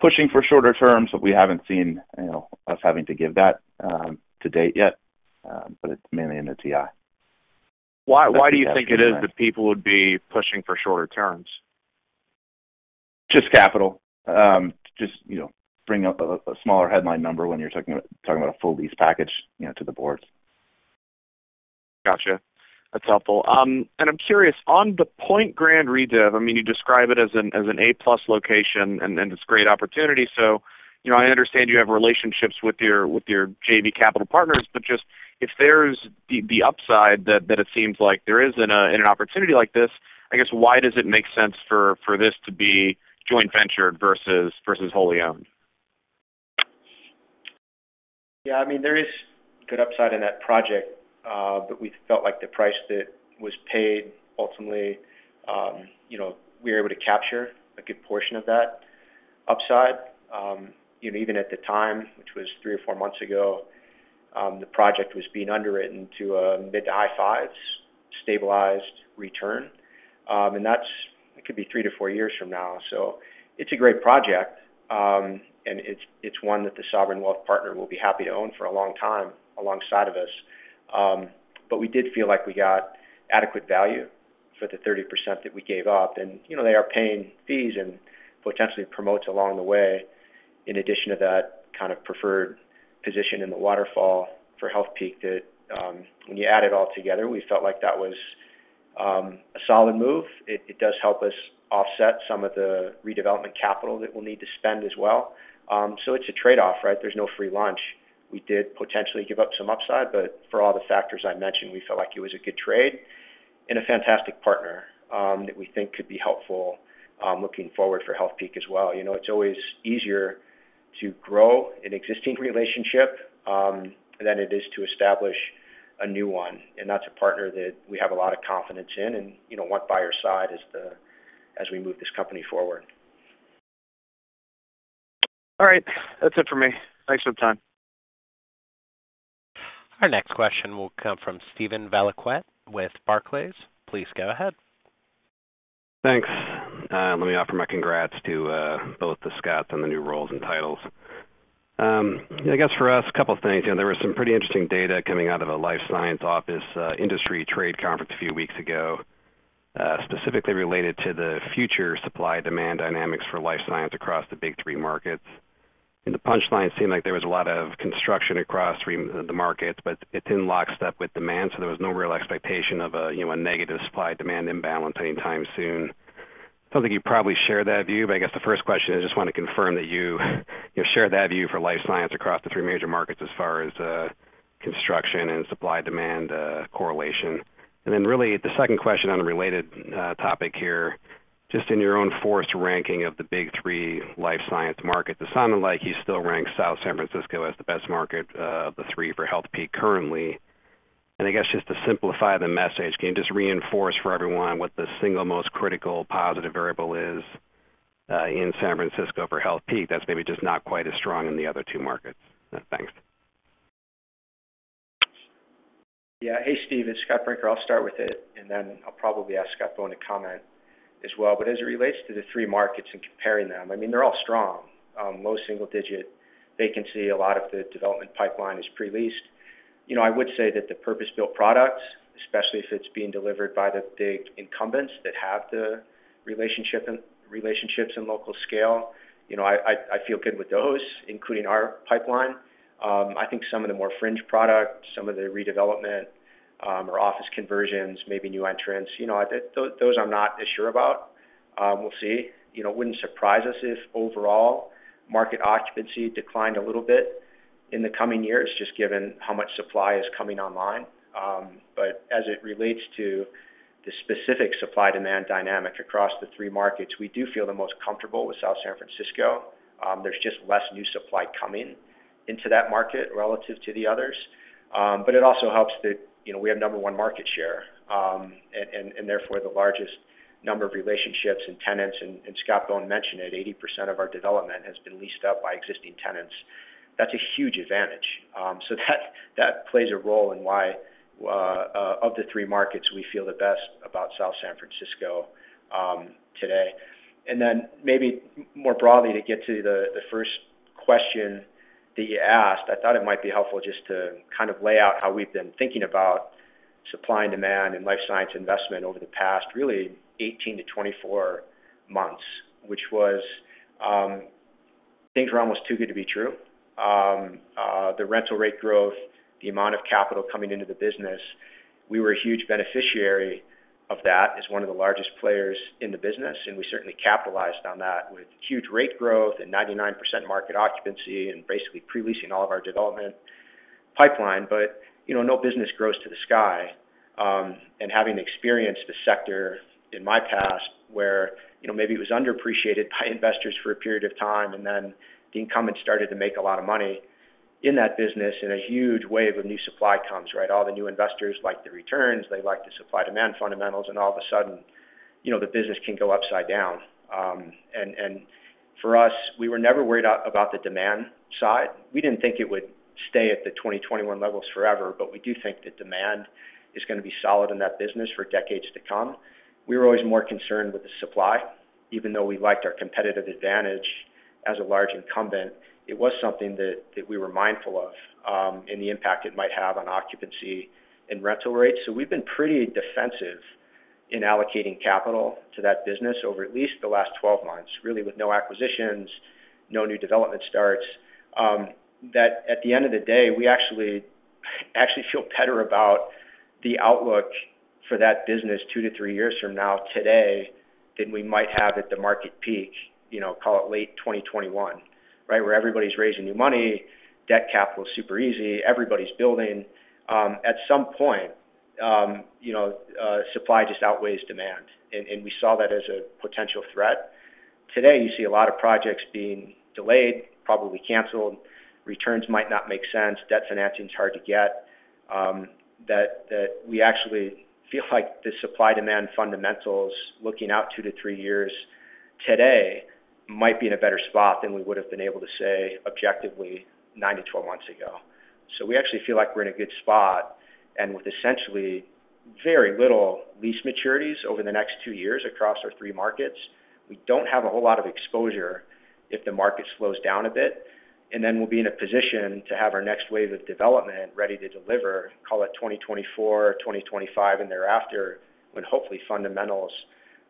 pushing for shorter terms, but we haven't seen, you know, us having to give that to date yet. It's mainly in the TI. Why do you think it is that people would be pushing for shorter terms? Just capital. Just, you know, bring up a smaller headline number when you're talking about a full lease package, you know, to the boards. Gotcha. That's helpful. I'm curious, on the Pointe Grand redev, I mean, you describe it as an A+ location and it's great opportunity. You know, I understand you have relationships with your JV capital partners, but just if there's the upside that it seems like there is in an opportunity like this, I guess why does it make sense for this to be joint ventured versus wholly owned? Yeah, I mean, there is good upside in that project, but we felt like the price that was paid ultimately, you know, we were able to capture a good portion of that upside. You know, even at the time, which was three months or four months ago, the project was being underwritten to mid- to high-fives stabilized return. It could be three to four years from now. It's a great project, and it's one that the sovereign wealth partner will be happy to own for a long time alongside of us. But we did feel like we got adequate value for the 30% that we gave up. You know, they are paying fees and potentially promotes along the way, in addition to that kind of preferred position in the waterfall for Healthpeak that, when you add it all together, we felt like that was a solid move. It does help us offset some of the redevelopment capital that we'll need to spend as well. It's a trade-off, right? There's no free lunch. We did potentially give up some upside, but for all the factors I mentioned, we felt like it was a good trade and a fantastic partner that we think could be helpful looking forward for Healthpeak as well. You know, it's always easier to grow an existing relationship than it is to establish a new one, and that's a partner that we have a lot of confidence in and, you know, want by our side as we move this company forward. All right. That's it for me. Thanks for the time. Our next question will come from Steven Valiquette with Barclays. Please go ahead. Thanks. Let me offer my congrats to both the Scotts on the new roles and titles. I guess for us, a couple things. You know, there was some pretty interesting data coming out of the life science office industry trade conference a few weeks ago, specifically related to the future supply-demand dynamics for life science across the big three markets. The punchline seemed like there was a lot of construction across the markets, but it's in lockstep with demand, so there was no real expectation of a, you know, a negative supply-demand imbalance anytime soon. I think you probably share that view, but I guess the first question, I just wanna confirm that you know share that view for life science across the three major markets as far as construction and supply-demand correlation? Really the second question on a related topic here, just in your own forced ranking of the big three life science markets, it sounded like you still rank South San Francisco as the best market of the three for Healthpeak currently. I guess just to simplify the message, can you just reinforce for everyone what the single most critical positive variable is, in San Francisco for Healthpeak that's maybe just not quite as strong in the other two markets? Thanks. Yeah. Hey, Steve, it's Scott Brinker. I'll start with it, and then I'll probably ask Scott Bohn to comment as well. As it relates to the three markets and comparing them, I mean, they're all strong, low single digit. You can see a lot of the development pipeline is pre-leased. You know, I would say that the purpose-built products, especially if it's being delivered by the incumbents that have the relationship and relationships and local scale, you know, I feel good with those, including our pipeline. I think some of the more fringe products, some of the redevelopment or office conversions, maybe new entrants, you know, those I'm not as sure about. We'll see. You know, it wouldn't surprise us if overall market occupancy declined a little bit in the coming years, just given how much supply is coming online. As it relates to the specific supply-demand dynamic across the three markets, we do feel the most comfortable with South San Francisco. There's just less new supply coming into that market relative to the others. It also helps that, you know, we have number one market share, and Scott Bohn mentioned it, 80% of our development has been leased out by existing tenants. That's a huge advantage. That plays a role in why, of the three markets we feel the best about South San Francisco, today. Maybe more broadly, to get to the first question that you asked, I thought it might be helpful just to kind of lay out how we've been thinking about supply and demand and life science investment over the past, really 18-24 months, which was, things were almost too good to be true. The rental rate growth, the amount of capital coming into the business, we were a huge beneficiary of that as one of the largest players in the business, and we certainly capitalized on that with huge rate growth and 99% market occupancy and basically pre-leasing all of our development pipeline. You know, no business grows to the sky. Having experienced the sector in my past where, you know, maybe it was underappreciated by investors for a period of time, and then the incumbent started to make a lot of money in that business, and a huge wave of new supply comes, right? All the new investors like the returns, they like the supply-demand fundamentals, and all of a sudden, you know, the business can go upside down. For us, we were never worried about the demand side. We didn't think it would stay at the 2020, 2021 levels forever, but we do think that demand is gonna be solid in that business for decades to come. We were always more concerned with the supply. Even though we liked our competitive advantage as a large incumbent, it was something that we were mindful of, and the impact it might have on occupancy and rental rates. We've been pretty defensive in allocating capital to that business over at least the last 12 months, really with no acquisitions, no new development starts. That at the end of the day, we actually feel better about the outlook for that business two to three years from now today than we might have at the market peak, you know, call it late 2021, right? Where everybody's raising new money, debt capital is super easy, everybody's building. At some point, you know, supply just outweighs demand, and we saw that as a potential threat. Today, you see a lot of projects being delayed, probably canceled, returns might not make sense, debt financing is hard to get, that we actually feel like the supply-demand fundamentals looking out two to three years today might be in a better spot than we would've been able to say objectively nine to 12 months ago. We actually feel like we're in a good spot. With essentially very little lease maturities over the next two years across our three markets, we don't have a whole lot of exposure if the market slows down a bit. We'll be in a position to have our next wave of development ready to deliver, call it 2024, 2025 and thereafter, when hopefully fundamentals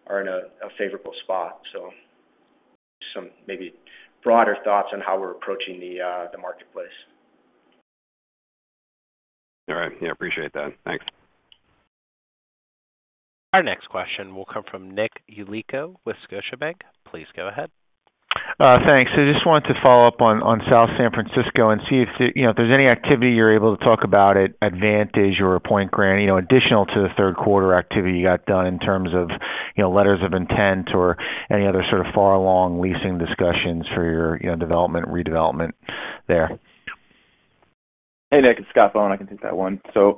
are in a favorable spot. Some maybe broader thoughts on how we're approaching the marketplace. All right. Yeah, appreciate that. Thanks. Our next question will come from Nicholas Yulico with Scotiabank. Please go ahead. Thanks. Just wanted to follow up on South San Francisco and see if, you know, if there's any activity you're able to talk about at Vantage or Pointe Grand, you know, additional to the 3rd quarter activity you got done in terms of, you know, letters of intent or any other sort of far along leasing discussions for your, you know, development and redevelopment there? Hey, Nick, it's Scott Bohn. I can take that one. You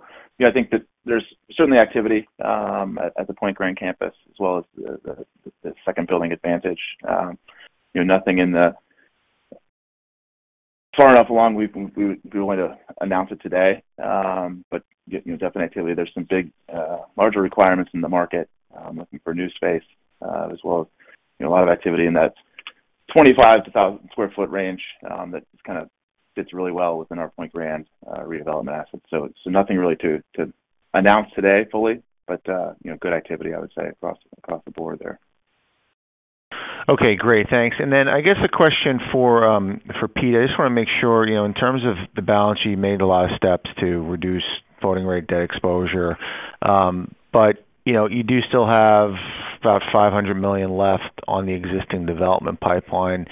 know, I think that there's certainly activity at the Pointe Grand campus as well as the second building Vantage. You know, nothing far enough along we would be willing to announce it today. But you know, definitely there's some big larger requirements in the market looking for new space as well as you know, a lot of activity in that 25 sq ft to 1,000 sq ft range that kind of fits really well within our Pointe Grand redevelopment assets. Nothing really to announce today fully, but you know, good activity, I would say, across the board there. Okay, great. Thanks. I guess a question for Pete. I just wanna make sure, you know, in terms of the balance, you made a lot of steps to reduce floating rate debt exposure. You do still have about $500 million left on the existing development pipeline.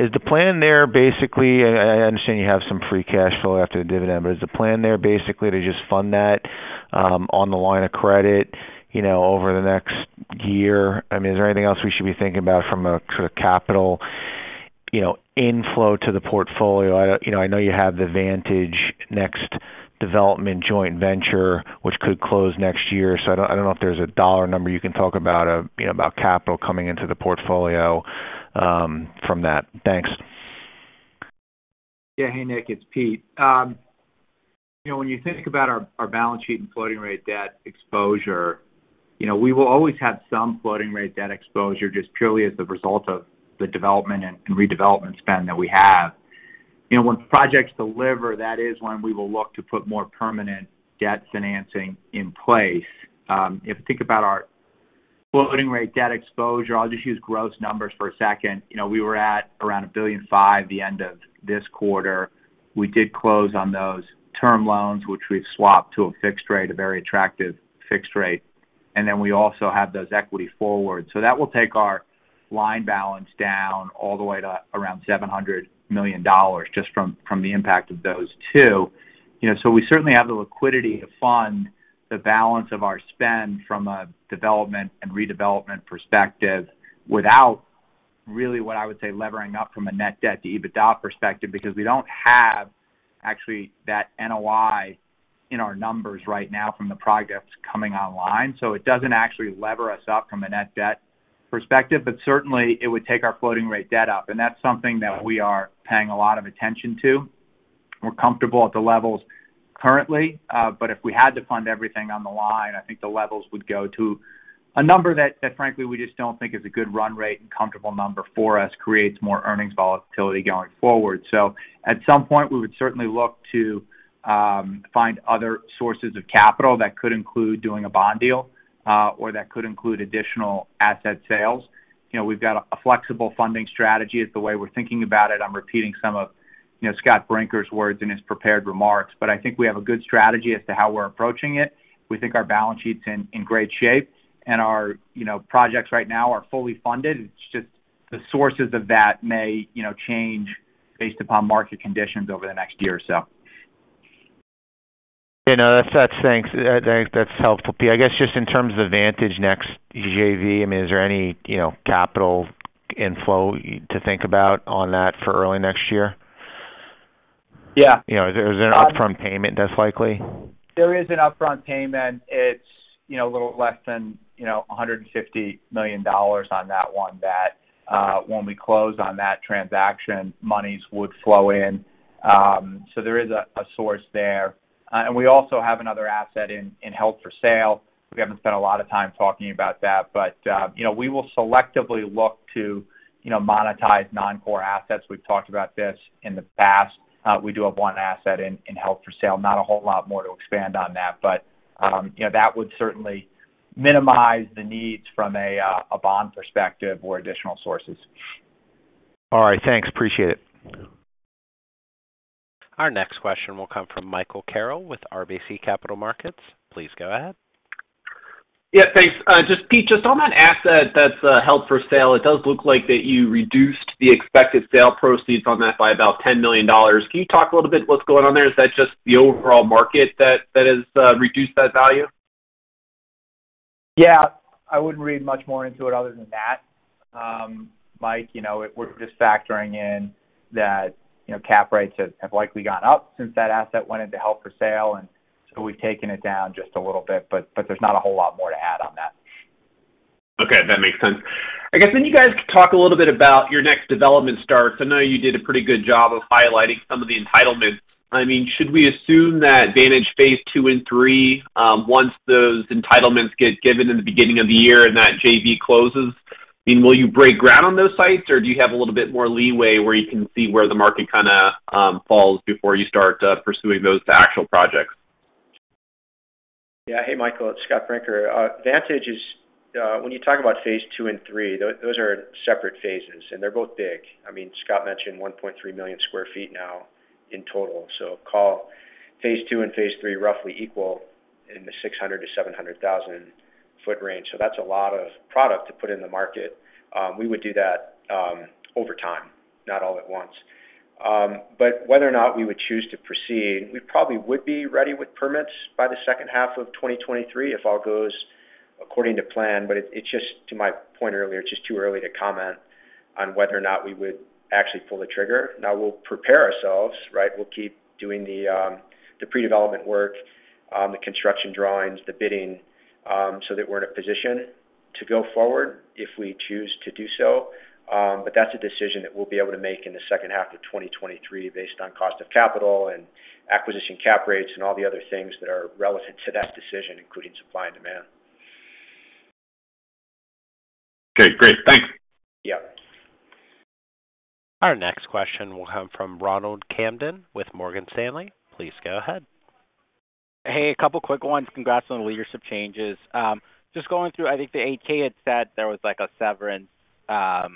Is the plan there basically? I understand you have some free cash flow after the dividend, but is the plan there basically to just fund that on the line of credit, you know, over the next year? I mean, is there anything else we should be thinking about from a sort of capital You know, inflow to the portfolio. You know, I know you have the Vantage next development joint venture, which could close next year. I don't know if there's a dollar number you can talk about, you know, about capital coming into the portfolio, from that. Thanks. Hey, Nick, it's Pete. You know, when you think about our balance sheet and floating rate debt exposure, you know, we will always have some floating rate debt exposure just purely as the result of the development and redevelopment spend that we have. You know, when projects deliver, that is when we will look to put more permanent debt financing in place. If you think about our floating rate debt exposure, I'll just use gross numbers for a second. You know, we were at around $1.5 billion at the end of this quarter. We did close on those term loans, which we've swapped to a fixed rate, a very attractive fixed rate. Then we also have those equity forwards. So that will take our line balance down all the way to around $700 million just from the impact of those two. You know, we certainly have the liquidity to fund the balance of our spend from a development and redevelopment perspective without really what I would say, levering up from a net debt to EBITDA perspective, because we don't have actually that NOI in our numbers right now from the projects coming online. It doesn't actually lever us up from a net debt perspective, but certainly it would take our floating rate debt up, and that's something that we are paying a lot of attention to. We're comfortable at the levels currently, but if we had to fund everything on the line, I think the levels would go to a number that frankly, we just don't think is a good run rate and comfortable number for us, creates more earnings volatility going forward. At some point, we would certainly look to find other sources of capital that could include doing a bond deal, or that could include additional asset sales. You know, we've got a flexible funding strategy is the way we're thinking about it. I'm repeating some of, you know, Scott Brinker's words in his prepared remarks, but I think we have a good strategy as to how we're approaching it. We think our balance sheet's in great shape, and our, you know, projects right now are fully funded. It's just the sources of that may, you know, change based upon market conditions over the next year or so. You know, that's helpful, Pete. I guess, just in terms of the Vantage next JV, I mean, is there any, you know, capital inflow to think about on that for early next year? Yeah. You know, is there an upfront payment that's likely? There is an upfront payment. It's you know a little less than you know $150 million on that one that when we close on that transaction monies would flow in. There is a source there. We also have another asset in health for sale. We haven't spent a lot of time talking about that, but you know we will selectively look to you know monetize non-core assets. We've talked about this in the past. We do have one asset in health for sale, not a whole lot more to expand on that. You know that would certainly minimize the needs from a bond perspective or additional sources. All right. Thanks. Appreciate it. Our next question will come from Michael Carroll with RBC Capital Markets. Please go ahead. Yeah, thanks. Just Pete, just on that asset that's held for sale, it does look like that you reduced the expected sale proceeds on that by about $10 million. Can you talk a little bit what's going on there? Is that just the overall market that has reduced that value? Yeah. I wouldn't read much more into it other than that. Mike, you know, we're just factoring in that, you know, cap rates have likely gone up since that asset went on the market for sale, and so we've taken it down just a little bit, but there's not a whole lot more to add on that. Okay. That makes sense. I guess can you guys talk a little bit about your next development starts? I know you did a pretty good job of highlighting some of the entitlements. I mean, should we assume that Vantage Phase 2 and Phase 3, once those entitlements get given in the beginning of the year and that JV closes, I mean, will you break ground on those sites, or do you have a little bit more leeway where you can see where the market kinda falls before you start pursuing those two actual projects? Yeah. Hey, Michael, it's Scott Brinker. Vantage is. When you talk about phase II and phase III, those are separate phases, and they're both big. I mean, Scott mentioned 1.3 million square feet now in total. Call phase II and phase III roughly equal in the 600,000 sq ft-700,000 sq ft range. That's a lot of product to put in the market. We would do that over time, not all at once. Whether or not we would choose to proceed, we probably would be ready with permits by the second half of 2023 if all goes according to plan. It's just to my point earlier, it's just too early to comment on whether or not we would actually pull the trigger. Now we'll prepare ourselves, right? We'll keep doing the pre-development work, the construction drawings, the bidding, so that we're in a position to go forward if we choose to do so. That's a decision that we'll be able to make in the second half of 2023 based on cost of capital and acquisition cap rates and all the other things that are relevant to that decision, including supply and demand. Okay, great. Thanks. Yeah. Our next question will come from Ronald Kamdem with Morgan Stanley. Please go ahead. Hey, a couple quick ones. Congrats on the leadership changes. Just going through, I think the 8-K had said there was like a severance of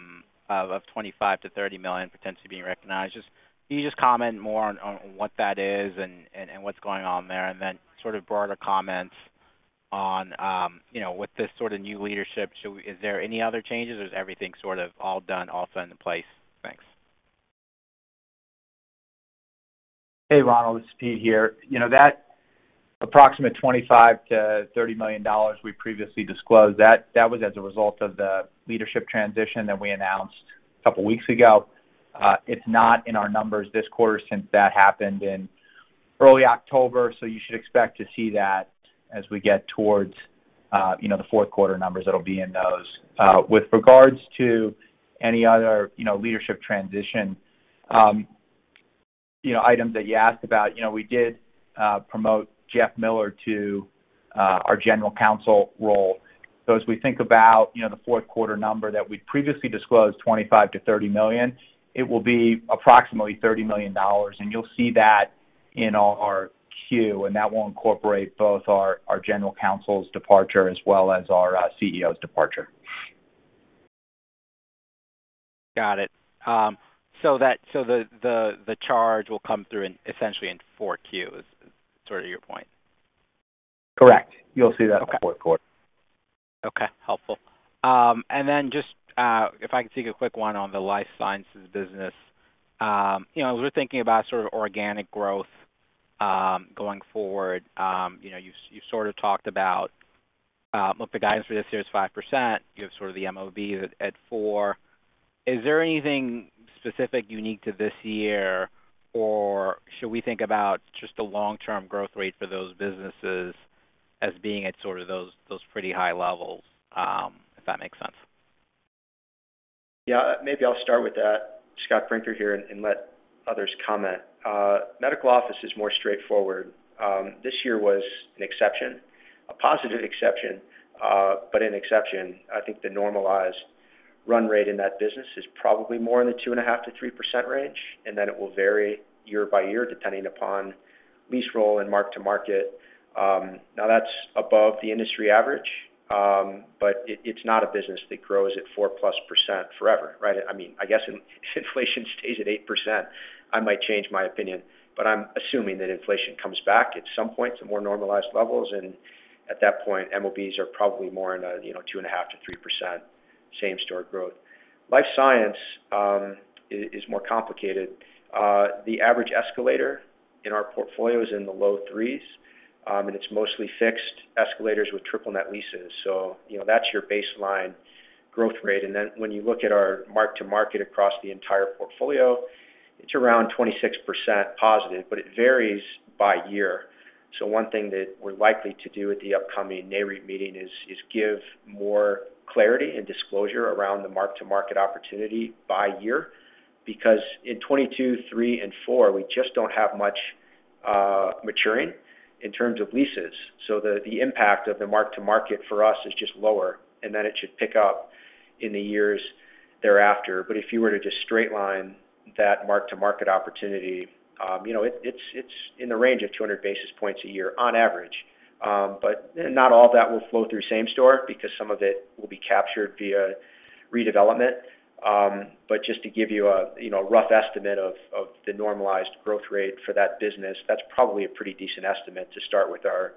$25 million-$30 million potentially being recognized. Can you just comment more on what that is and what's going on there? Then sort of broader comments on with this sort of new leadership, is there any other changes or is everything sort of all done, all set in place? Thanks. Hey, Ronald, it's Pete here. You know that approximate $25 million-$30 million we previously disclosed, that was as a result of the leadership transition that we announced a couple weeks ago. It's not in our numbers this quarter since that happened in early October, so you should expect to see that as we get towards, you know, the 4th quarter numbers that'll be in those. With regards to any other, you know, leadership transition, you know, items that you asked about, you know, we did promote Jeff Miller to our general counsel role. As we think about, you know, the 4th quarter number that we'd previously disclosed, $25 million-$30 million, it will be approximately $30 million, and you'll see that in our Q4, and that will incorporate both our General Counsel's departure as well as our CEO's departure. Got it. The charge will come through essentially in 4Q, is sort of your point? Correct. You'll see that. Okay. In the 4th quarter. Okay. Helpful. If I could take a quick one on the life sciences business. You know, as we're thinking about sort of organic growth, going forward, you know, you sort of talked about, look, the guidance for this year is 5%. You have sort of the MOB at 4%. Is there anything specific unique to this year, or should we think about just the long-term growth rate for those businesses as being at sort of those pretty high levels, if that makes sense? Yeah. Maybe I'll start with that, Scott Brinker here, and let others comment. Medical office is more straightforward. This year was an exception, a positive exception, but an exception. I think the normalized run rate in that business is probably more in the 2.5%-3% range, and then it will vary year by year, depending upon lease roll and mark-to-market. Now that's above the industry average, but it's not a business that grows at +4% forever, right? I mean, I guess if inflation stays at 8%, I might change my opinion, but I'm assuming that inflation comes back at some point to more normalized levels, and at that point, MOBs are probably more in a, you know, 2.5%-3% same-store growth. Life science is more complicated. The average escalator in our portfolio is in the low 3%s, and it's mostly fixed escalators with triple net leases. You know, that's your baseline growth rate. Then when you look at our mark-to-market across the entire portfolio, it's around 26% positive, but it varies by year. One thing that we're likely to do at the upcoming NAREIT meeting is give more clarity and disclosure around the mark-to-market opportunity by year. Because in 2022, 2023 and 2024, we just don't have much maturing in terms of leases. The impact of the mark-to-market for us is just lower, and then it should pick up in the years thereafter. If you were to just straight line that mark-to-market opportunity, it's in the range of 200 basis points a year on average. Not all of that will flow through same store because some of it will be captured via redevelopment. Just to give you a, you know, rough estimate of the normalized growth rate for that business, that's probably a pretty decent estimate to start with our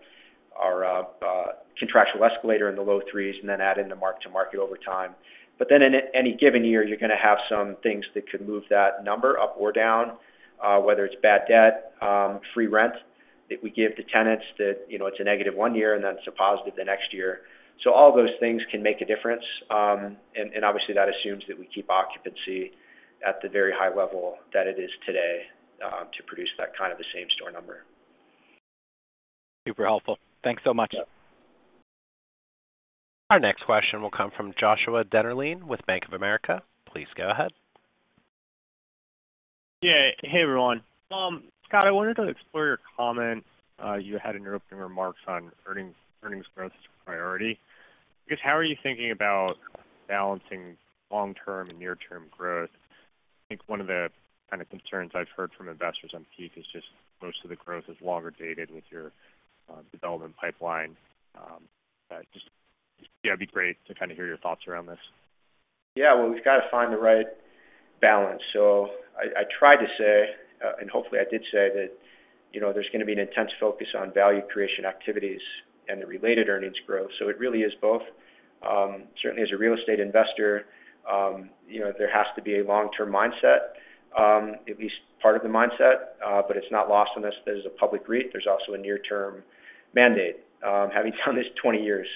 contractual escalator in the low 3%s and then add in the mark-to-market over time. Then in any given year, you're gonna have some things that could move that number up or down, whether it's bad debt, free rent that we give to tenants that, you know, it's a negative one year and then it's a positive the next year. All those things can make a difference. Obviously, that assumes that we keep occupancy at the very high level that it is today, to produce that kind of a same-store number. Super helpful. Thanks so much. Yeah. Our next question will come from Joshua Dennerlein with Bank of America. Please go ahead. Yeah. Hey, everyone. Scott, I wanted to explore your comment you had in your opening remarks on earnings growth as a priority. I guess, how are you thinking about balancing long-term and near-term growth? I think one of the kind of concerns I've heard from investors on Healthpeak is just most of the growth is longer dated with your development pipeline. Just, yeah, it'd be great to kind of hear your thoughts around this. Yeah. Well, we've got to find the right balance. I tried to say, and hopefully I did say that, you know, there's gonna be an intense focus on value creation activities and the related earnings growth. It really is both. Certainly as a real estate investor, you know, there has to be a long-term mindset, at least part of the mindset, but it's not lost on us that as a public REIT, there's also a near-term mandate. Having done this 20 years,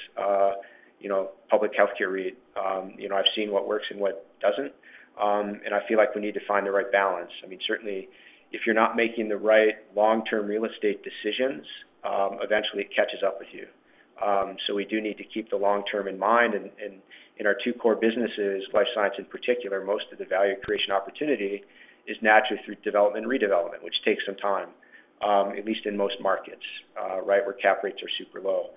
you know, public healthcare REIT, you know, I've seen what works and what doesn't. I feel like we need to find the right balance. I mean, certainly if you're not making the right long-term real estate decisions, eventually it catches up with you. We do need to keep the long term in mind. In our two core businesses, life science in particular, most of the value creation opportunity is naturally through development and redevelopment, which takes some time, at least in most markets, right, where cap rates are super low.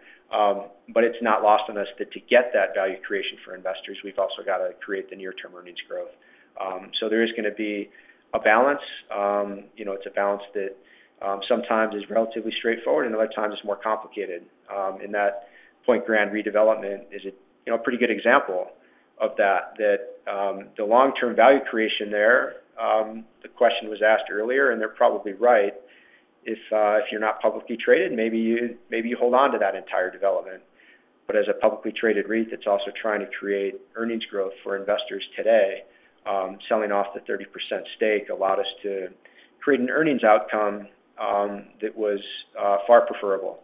It's not lost on us that to get that value creation for investors, we've also got to create the near-term earnings growth. There is gonna be a balance. You know, it's a balance that sometimes is relatively straightforward and other times it's more complicated. That Pointe Grand redevelopment is a, you know, pretty good example of that, the long-term value creation there. The question was asked earlier, and they're probably right, if you're not publicly traded, maybe you hold on to that entire development. As a publicly traded REIT that's also trying to create earnings growth for investors today, selling off the 30% stake allowed us to create an earnings outcome that was far preferable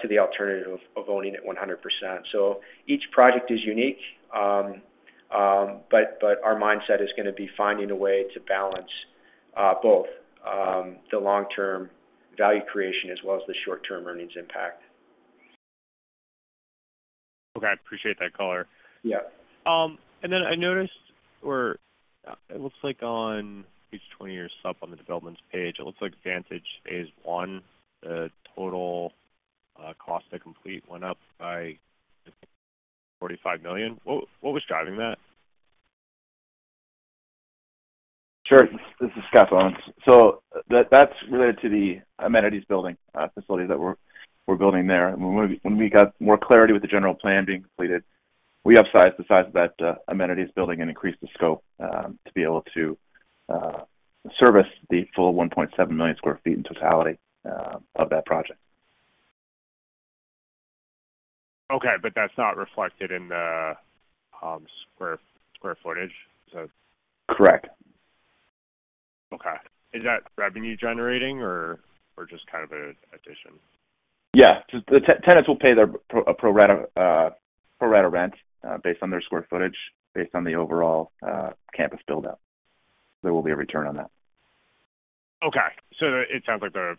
to the alternative of owning it 100%. Each project is unique, but our mindset is gonna be finding a way to balance both, the long-term value creation as well as the short-term earnings impact. Okay. I appreciate that color. Yeah. I noticed where it looks like on page 20 or so on the developments page, it looks like Vantage Phase I, the total cost to complete went up by $45 million. What was driving that? Sure. This is Scott Bohn. That's related to the amenities building facility that we're building there. When we got more clarity with the general plan being completed, we upsized the size of that amenities building and increased the scope to be able to service the full 1.7 million square feet in totality of that project. Okay. That's not reflected in the square footage. Is that? Correct. Okay. Is that revenue generating or just kind of an addition? Yeah. The tenants will pay their pro rata rent based on their square footage based on the overall campus build out. There will be a return on that. Okay. It sounds like the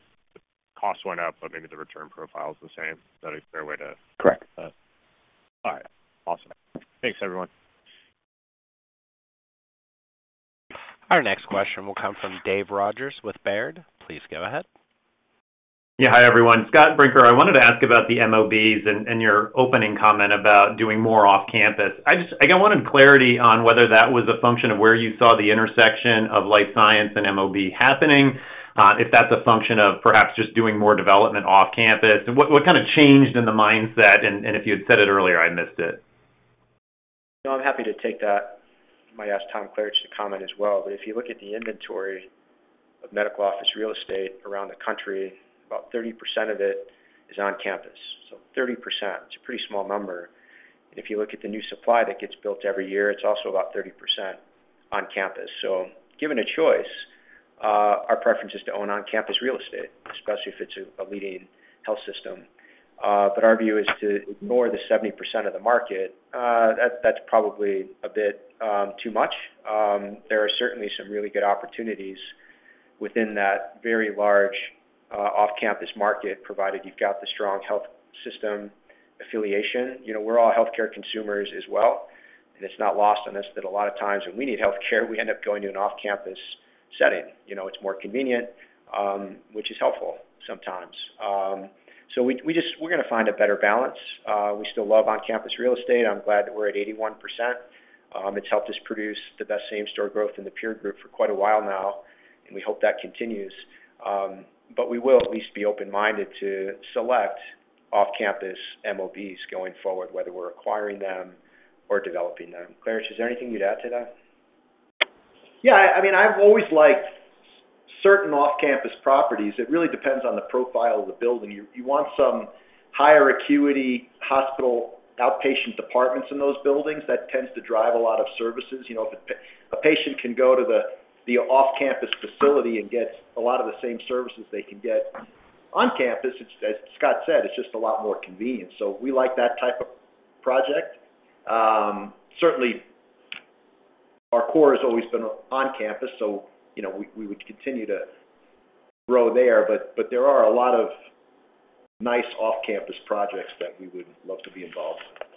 cost went up, but maybe the return profile is the same. Is that a fair way to? Correct. All right. Awesome. Thanks, everyone. Our next question will come from Dave Rodgers with Baird. Please go ahead. Yeah. Hi, everyone. Scott Brinker. I wanted to ask about the MOBs and your opening comment about doing more off campus. I wanted clarity on whether that was a function of where you saw the intersection of life science and MOB happening, if that's a function of perhaps just doing more development off campus. What kinda changed in the mindset, and if you had said it earlier, I missed it. No, I'm happy to take that. I might ask Tom Klaritch to comment as well. If you look at the inventory of medical office real estate around the country, about 30% of it is on campus. 30%, it's a pretty small number. If you look at the new supply that gets built every year, it's also about 30% on campus. Given a choice, our preference is to own on-campus real estate, especially if it's a leading health system. Our view is to ignore the 70% of the market, that's probably a bit too much. There are certainly some really good opportunities within that very large, off-campus market, provided you've got the strong health system affiliation. You know, we're all healthcare consumers as well, and it's not lost on us that a lot of times when we need healthcare, we end up going to an off-campus setting. You know, it's more convenient, which is helpful sometimes. We're gonna find a better balance. We still love on-campus real estate. I'm glad that we're at 81%. It's helped us produce the best same-store growth in the peer group for quite a while now, and we hope that continues. We will at least be open-minded to select off-campus MOBs going forward, whether we're acquiring them or developing them. Klaritch, is there anything you'd add to that? Yeah. I mean, I've always liked certain off-campus properties. It really depends on the profile of the building. You want some higher acuity hospital outpatient departments in those buildings. That tends to drive a lot of services. You know, if a patient can go to the off-campus facility and get a lot of the same services they can get on campus, it's as Scott said, it's just a lot more convenient. We like that type of project. Certainly, our core has always been on campus, so you know, we would continue to grow there. There are a lot of nice off-campus projects that we would love to be involved in.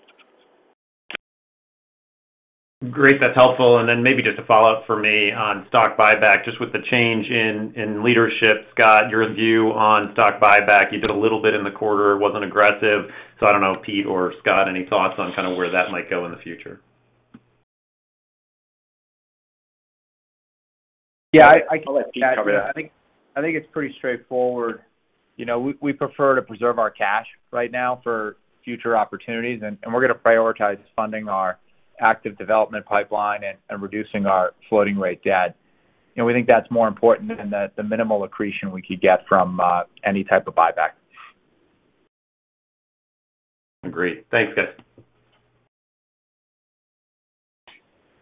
Great. That's helpful. Maybe just a follow-up for me on stock buyback, just with the change in leadership. Scott, your view on stock buyback. You did a little bit in the quarter, it wasn't aggressive. I don't know, Pete or Scott, any thoughts on kinda where that might go in the future? Yeah. I'll let Pete cover that. I think it's pretty straightforward. You know, we prefer to preserve our cash right now for future opportunities, and we're gonna prioritize funding our active development pipeline and reducing our floating rate debt. You know, we think that's more important than the minimal accretion we could get from any type of buyback. Great. Thanks, guys.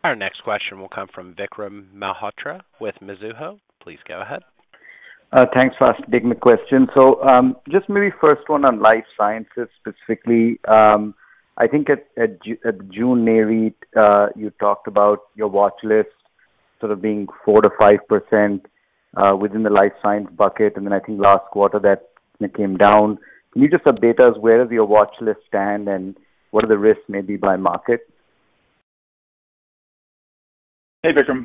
Our next question will come from Vikram Malhotra with Mizuho. Please go ahead. Thanks for taking the question. Just maybe first one on life sciences specifically. I think at June NAREIT, you talked about your watch list sort of being 4%-5% within the life science bucket, and then I think last quarter that came down. Can you just update us where does your watch list stand, and what are the risks maybe by market? Hey, Vikram.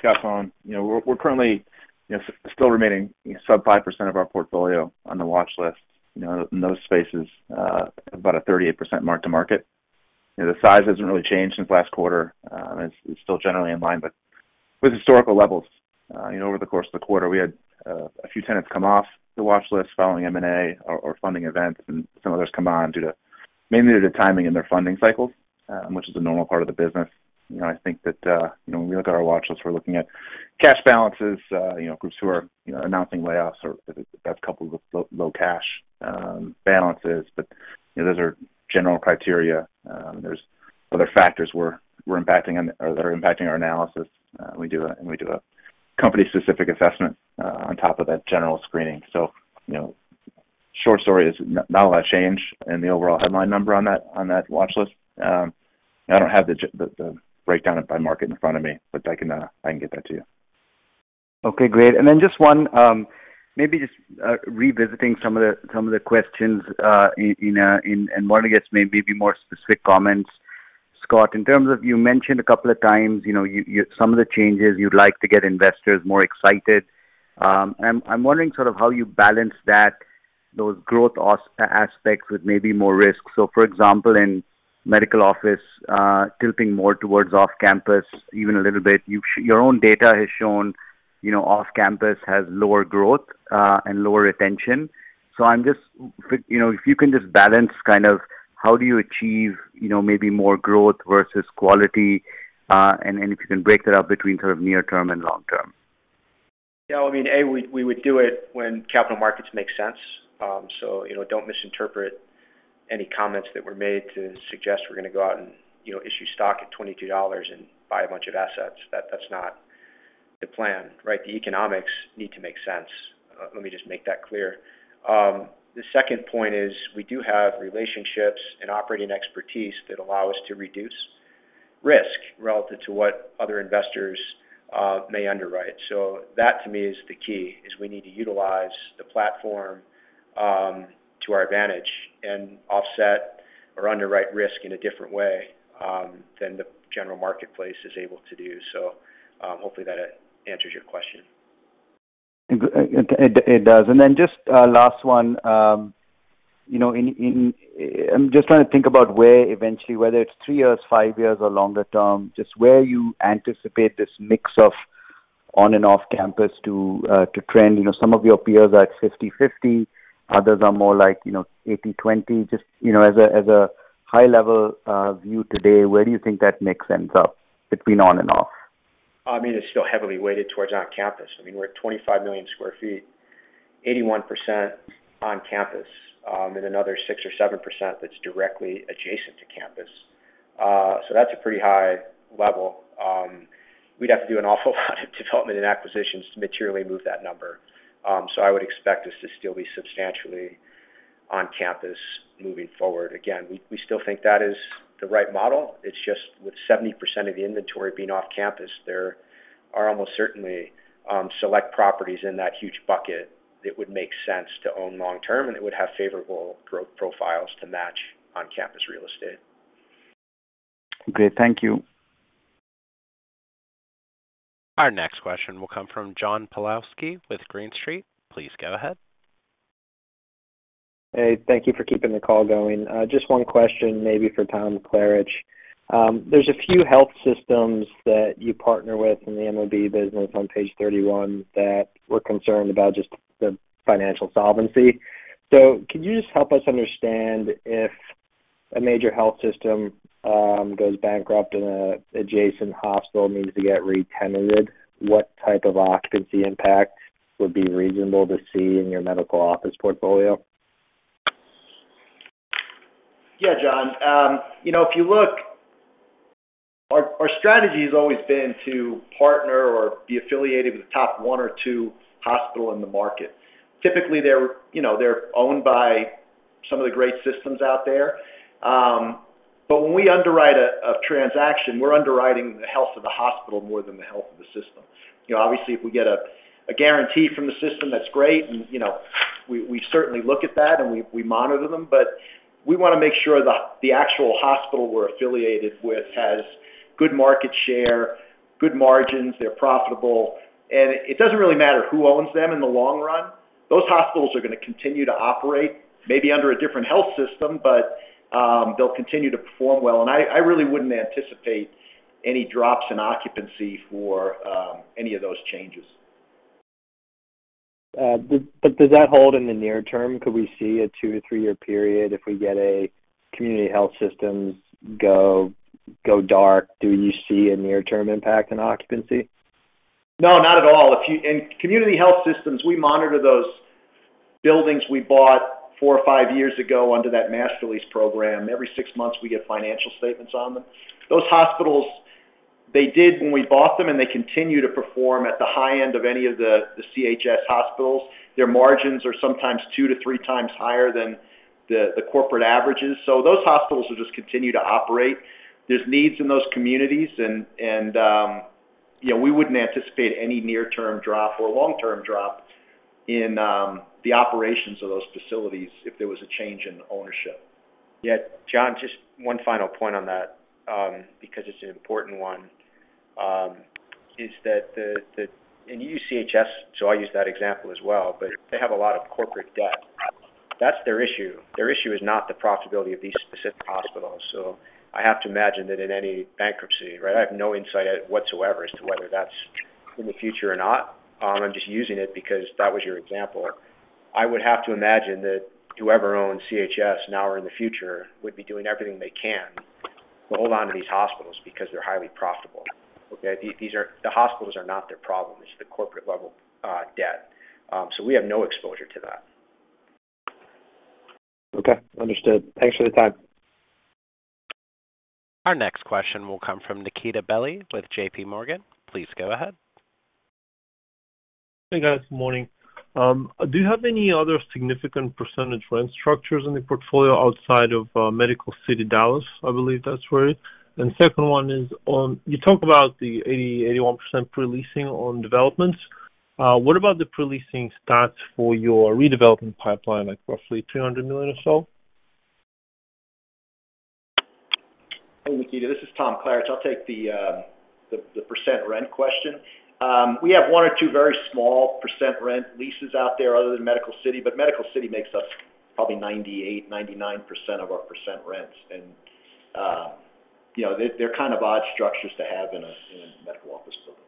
Scott Bohn. You know, we're currently, you know, still remaining sub 5% of our portfolio on the watch list. You know, in those spaces, about a 38% mark-to-market. You know, the size hasn't really changed since last quarter. It's still generally in line with historical levels. You know, over the course of the quarter, we had a few tenants come off the watch list following M&A or funding events, and some others come on mainly due to timing in their funding cycles, which is a normal part of the business. You know, I think that, you know, when we look at our watch list, we're looking at cash balances, you know, groups who are announcing layoffs or that's coupled with low cash balances. You know, those are general criteria. There's other factors were impacting on or that are impacting our analysis. We do a company-specific assessment on top of that general screening. You know, short story is not a lot of change in the overall headline number on that watchlist. I don't have the breakdown by market in front of me, but I can get that to you. Okay, great. Revisiting some of the questions in one, I guess, maybe be more specific comments. Scott, in terms of you mentioned a couple of times, you know, some of the changes you'd like to get investors more excited. I'm wondering sort of how you balance that, those growth aspects with maybe more risk. For example, in medical office, tilting more towards off-campus even a little bit, your own data has shown, you know, off-campus has lower growth and lower retention. You know, if you can just balance kind of how do you achieve, you know, maybe more growth versus quality, and if you can break that up between sort of near term and long term. Yeah, I mean, A, we would do it when capital markets make sense. You know, don't misinterpret any comments that were made to suggest we're gonna go out and, you know, issue stock at $22 and buy a bunch of assets. That's not the plan, right? The economics need to make sense. Let me just make that clear. The second point is we do have relationships and operating expertise that allow us to reduce risk relative to what other investors may underwrite. So that to me is the key, is we need to utilize the platform to our advantage and offset or underwrite risk in a different way than the general marketplace is able to do. Hopefully that answers your question. It does. Just a last one. I'm just trying to think about where eventually, whether it's three years, five years or longer term, just where you anticipate this mix of on and off-campus to trend. You know, some of your peers are at 50/50, others are more like, you know, 80/20. Just, you know, as a high level view today, where do you think that mix ends up between on and off? I mean, it's still heavily weighted towards on-campus. I mean, we're at 25 million square eeft, 81% on campus, and another 6% or 7% that's directly adjacent to campus. So that's a pretty high level. We'd have to do an awful lot of development and acquisitions to materially move that number. So I would expect us to still be substantially on campus moving forward. Again, we still think that is the right model. It's just with 70% of the inventory being off-campus, there are almost certainly select properties in that huge bucket that would make sense to own long term, and it would have favorable growth profiles to match on-campus real estate. Great. Thank you. Our next question will come from John Pawlowski with Green Street. Please go ahead. Hey, thank you for keeping the call going. Just one question maybe for Tom Klaritch. There's a few health systems that you partner with in the MOB business on page 31 that we're concerned about just the financial solvency. Could you just help us understand if a major health system goes bankrupt and an adjacent hospital needs to get re-tendered, what type of occupancy impact would be reasonable to see in your medical office portfolio? Yeah, John. You know, if you look. Our strategy has always been to partner or be affiliated with the top one or two hospital in the market. Typically, they're owned by some of the great systems out there. But when we underwrite a transaction, we're underwriting the health of the hospital more than the health of the system. Obviously, if we get a guarantee from the system, that's great, and we certainly look at that, and we monitor them. But we wanna make sure the actual hospital we're affiliated with has good market share, good margins, they're profitable. It doesn't really matter who owns them in the long run. Those hospitals are gonna continue to operate, maybe under a different health system, but they'll continue to perform well. I really wouldn't anticipate any drops in occupancy for any of those changes. Does that hold in the near term? Could we see a two to three year period if we get a Community Health Systems go dark? Do you see a near-term impact in occupancy? No, not at all. In Community Health Systems, we monitor those buildings we bought four or five years ago under that master lease program. Every six months, we get financial statements on them. Those hospitals, they did when we bought them, and they continue to perform at the high end of any of the CHS hospitals. Their margins are sometimes two to three times higher than the corporate averages. So those hospitals will just continue to operate. There's needs in those communities and you know, we wouldn't anticipate any near-term drop or long-term drop in the operations of those facilities if there was a change in ownership. Yeah, John, just one final point on that because it's an important one is that the.. You use CHS, so I'll use that example as well, but they have a lot of corporate debt. That's their issue. Their issue is not the profitability of these specific hospitals. I have to imagine that in any bankruptcy, right? I have no insight whatsoever as to whether that's in the future or not. I'm just using it because that was your example. I would have to imagine that whoever owns CHS now or in the future would be doing everything they can to hold on to these hospitals because they're highly profitable. Okay? The hospitals are not their problem. It's the corporate level debt. We have no exposure to that. Okay, understood. Thanks for the time. Our next question will come from Nikita Bely with J.P. Morgan. Please go ahead. Hey, guys. Good morning. Do you have any other significant percentage rent structures in the portfolio outside of Medical City Dallas? I believe that's right. You talk about the 80%-81% pre-leasing on developments. What about the pre-leasing stats for your redevelopment pipeline, like roughly $200 million or so? Hey, Vikram, this is Tom Klaritch. I'll take the percent rent question. We have one or two very small percent rent leases out there other than Medical City, but Medical City makes us probably 98%, 99% of our percent rents. You know, they're kind of odd structures to have in a medical office building.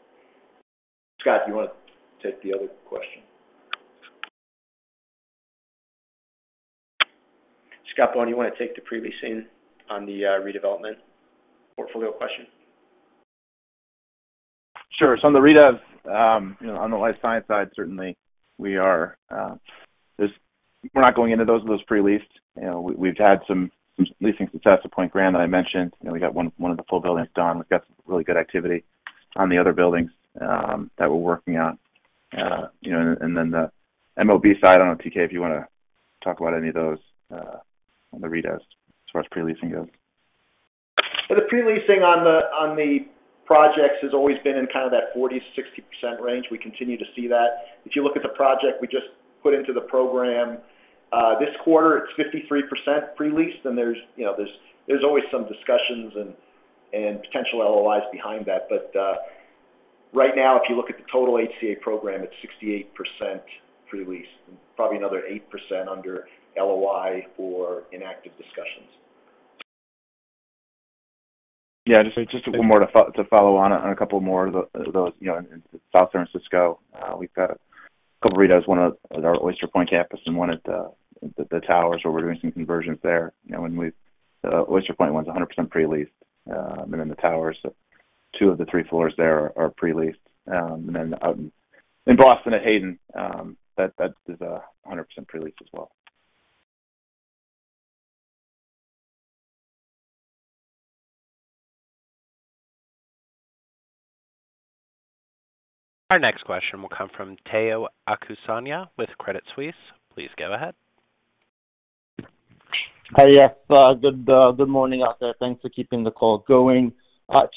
Scott, do you wanna take the other question? Scott Bohn, you wanna take the pre-leasing on the redevelopment portfolio question? Sure. On the redev, you know, on the life science side, certainly we're not going into those pre-leased. You know, we've had some leasing success at Pointe Grand that I mentioned. You know, we got one of the full buildings done. We've got some really good activity on the other buildings that we're working on. You know, and then the MOB side, I don't know, TK, if you wanna talk about any of those on the redev as far as pre-leasing goes. The pre-leasing on the projects has always been in kind of that 40%-60% range. We continue to see that. If you look at the project we just put into the program this quarter it's 53% pre-leased, and there's always some discussions and potential LOIs behind that. Right now, if you look at the total HCA program, it's 68% pre-leased, and probably another 8% under LOI or in active discussions. Yeah, just a little more to follow on a couple more of those, you know, in South San Francisco, we've got a couple redos, one at our Oyster Point campus and one at the Towers, where we're doing some conversions there. You know, The Oyster Point one's 100% pre-leased. The Towers, two of the three floors there are pre-leased. In Boston at Hayden, that is 100% pre-leased as well. Our next question will come from Omotayo Okusanya with Credit Suisse. Please go ahead. Hi, yes. Good morning out there. Thanks for keeping the call going.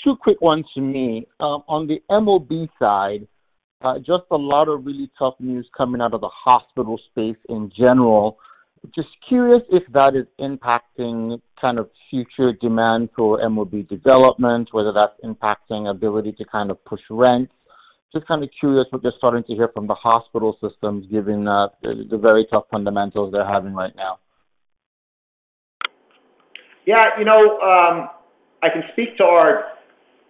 Two quick ones from me. On the MOB side, just a lot of really tough news coming out of the hospital space in general. Just curious if that is impacting kind of future demand for MOB development, whether that's impacting ability to kind of push rent. Just kinda curious what you're starting to hear from the hospital systems, given the very tough fundamentals they're having right now. Yeah, you know, I can speak to our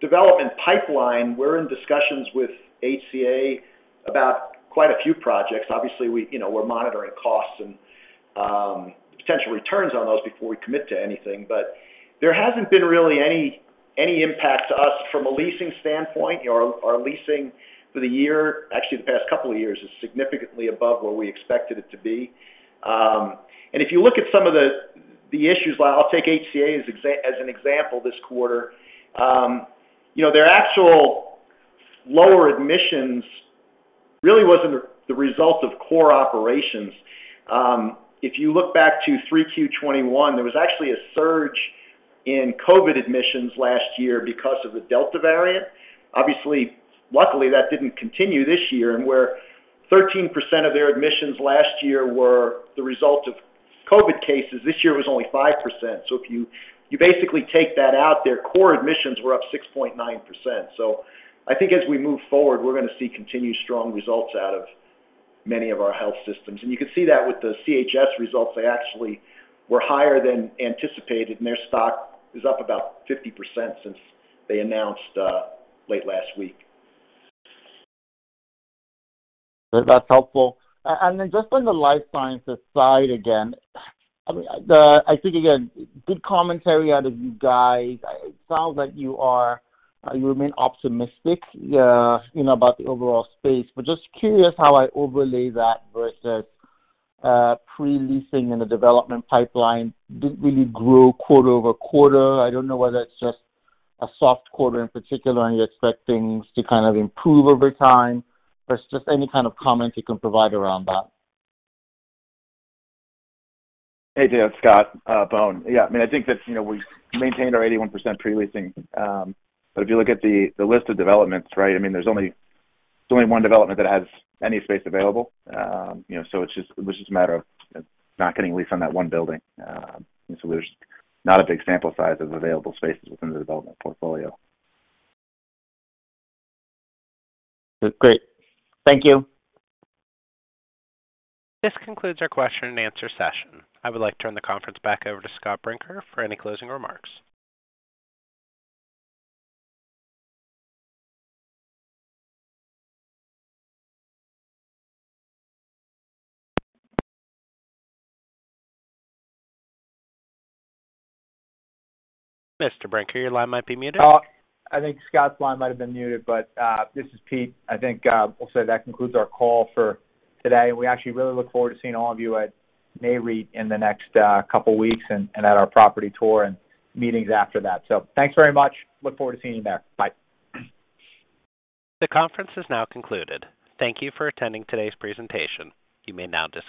development pipeline. We're in discussions with HCA about quite a few projects. Obviously, we, you know, we're monitoring costs and potential returns on those before we commit to anything. There hasn't been really any impact to us from a leasing standpoint. Our leasing for the year, actually the past couple of years, is significantly above where we expected it to be. If you look at some of the issues, like I'll take HCA as an example this quarter. You know, their actual lower admissions really wasn't the result of core operations. If you look back to 3Q 2021, there was actually a surge in COVID admissions last year because of the Delta variant. Obviously, luckily, that didn't continue this year, and where 13% of their admissions last year were the result of COVID cases, this year was only 5%. If you basically take that out, their core admissions were up 6.9%. I think as we move forward, we're gonna see continued strong results out of many of our health systems. You can see that with the CHS results, they actually were higher than anticipated, and their stock is up about 50% since they announced late last week. That's helpful. Then just on the life sciences side again, I mean, I think again, good commentary out of you guys. It sounds like you are, you remain optimistic, you know, about the overall space, but just curious how I overlay that versus pre-leasing in the development pipeline didn't really grow quarter-over-quarter. I don't know whether it's just a soft quarter in particular, and you expect things to kind of improve over time. Just any kind of comment you can provide around that. Hey, Tayo. It's Scott Bohn. Yeah, I mean, I think that, you know, we've maintained our 81% pre-leasing. If you look at the list of developments, right, I mean, there's only one development that has any space available. You know, it was just a matter of not getting lease on that one building. There's not a big sample size of available spaces within the development portfolio. Great. Thank you. This concludes our question and answer session. I would like to turn the conference back over to Scott Brinker for any closing remarks. Mr. Brinker, your line might be muted. I think Scott's line might have been muted, but this is Pete. I think we'll say that concludes our call for today. We actually really look forward to seeing all of you at NAREIT in the next couple weeks and at our property tour and meetings after that. Thanks very much. Look forward to seeing you there. Bye. The conference is now concluded. Thank you for attending today's presentation. You may now disconnect.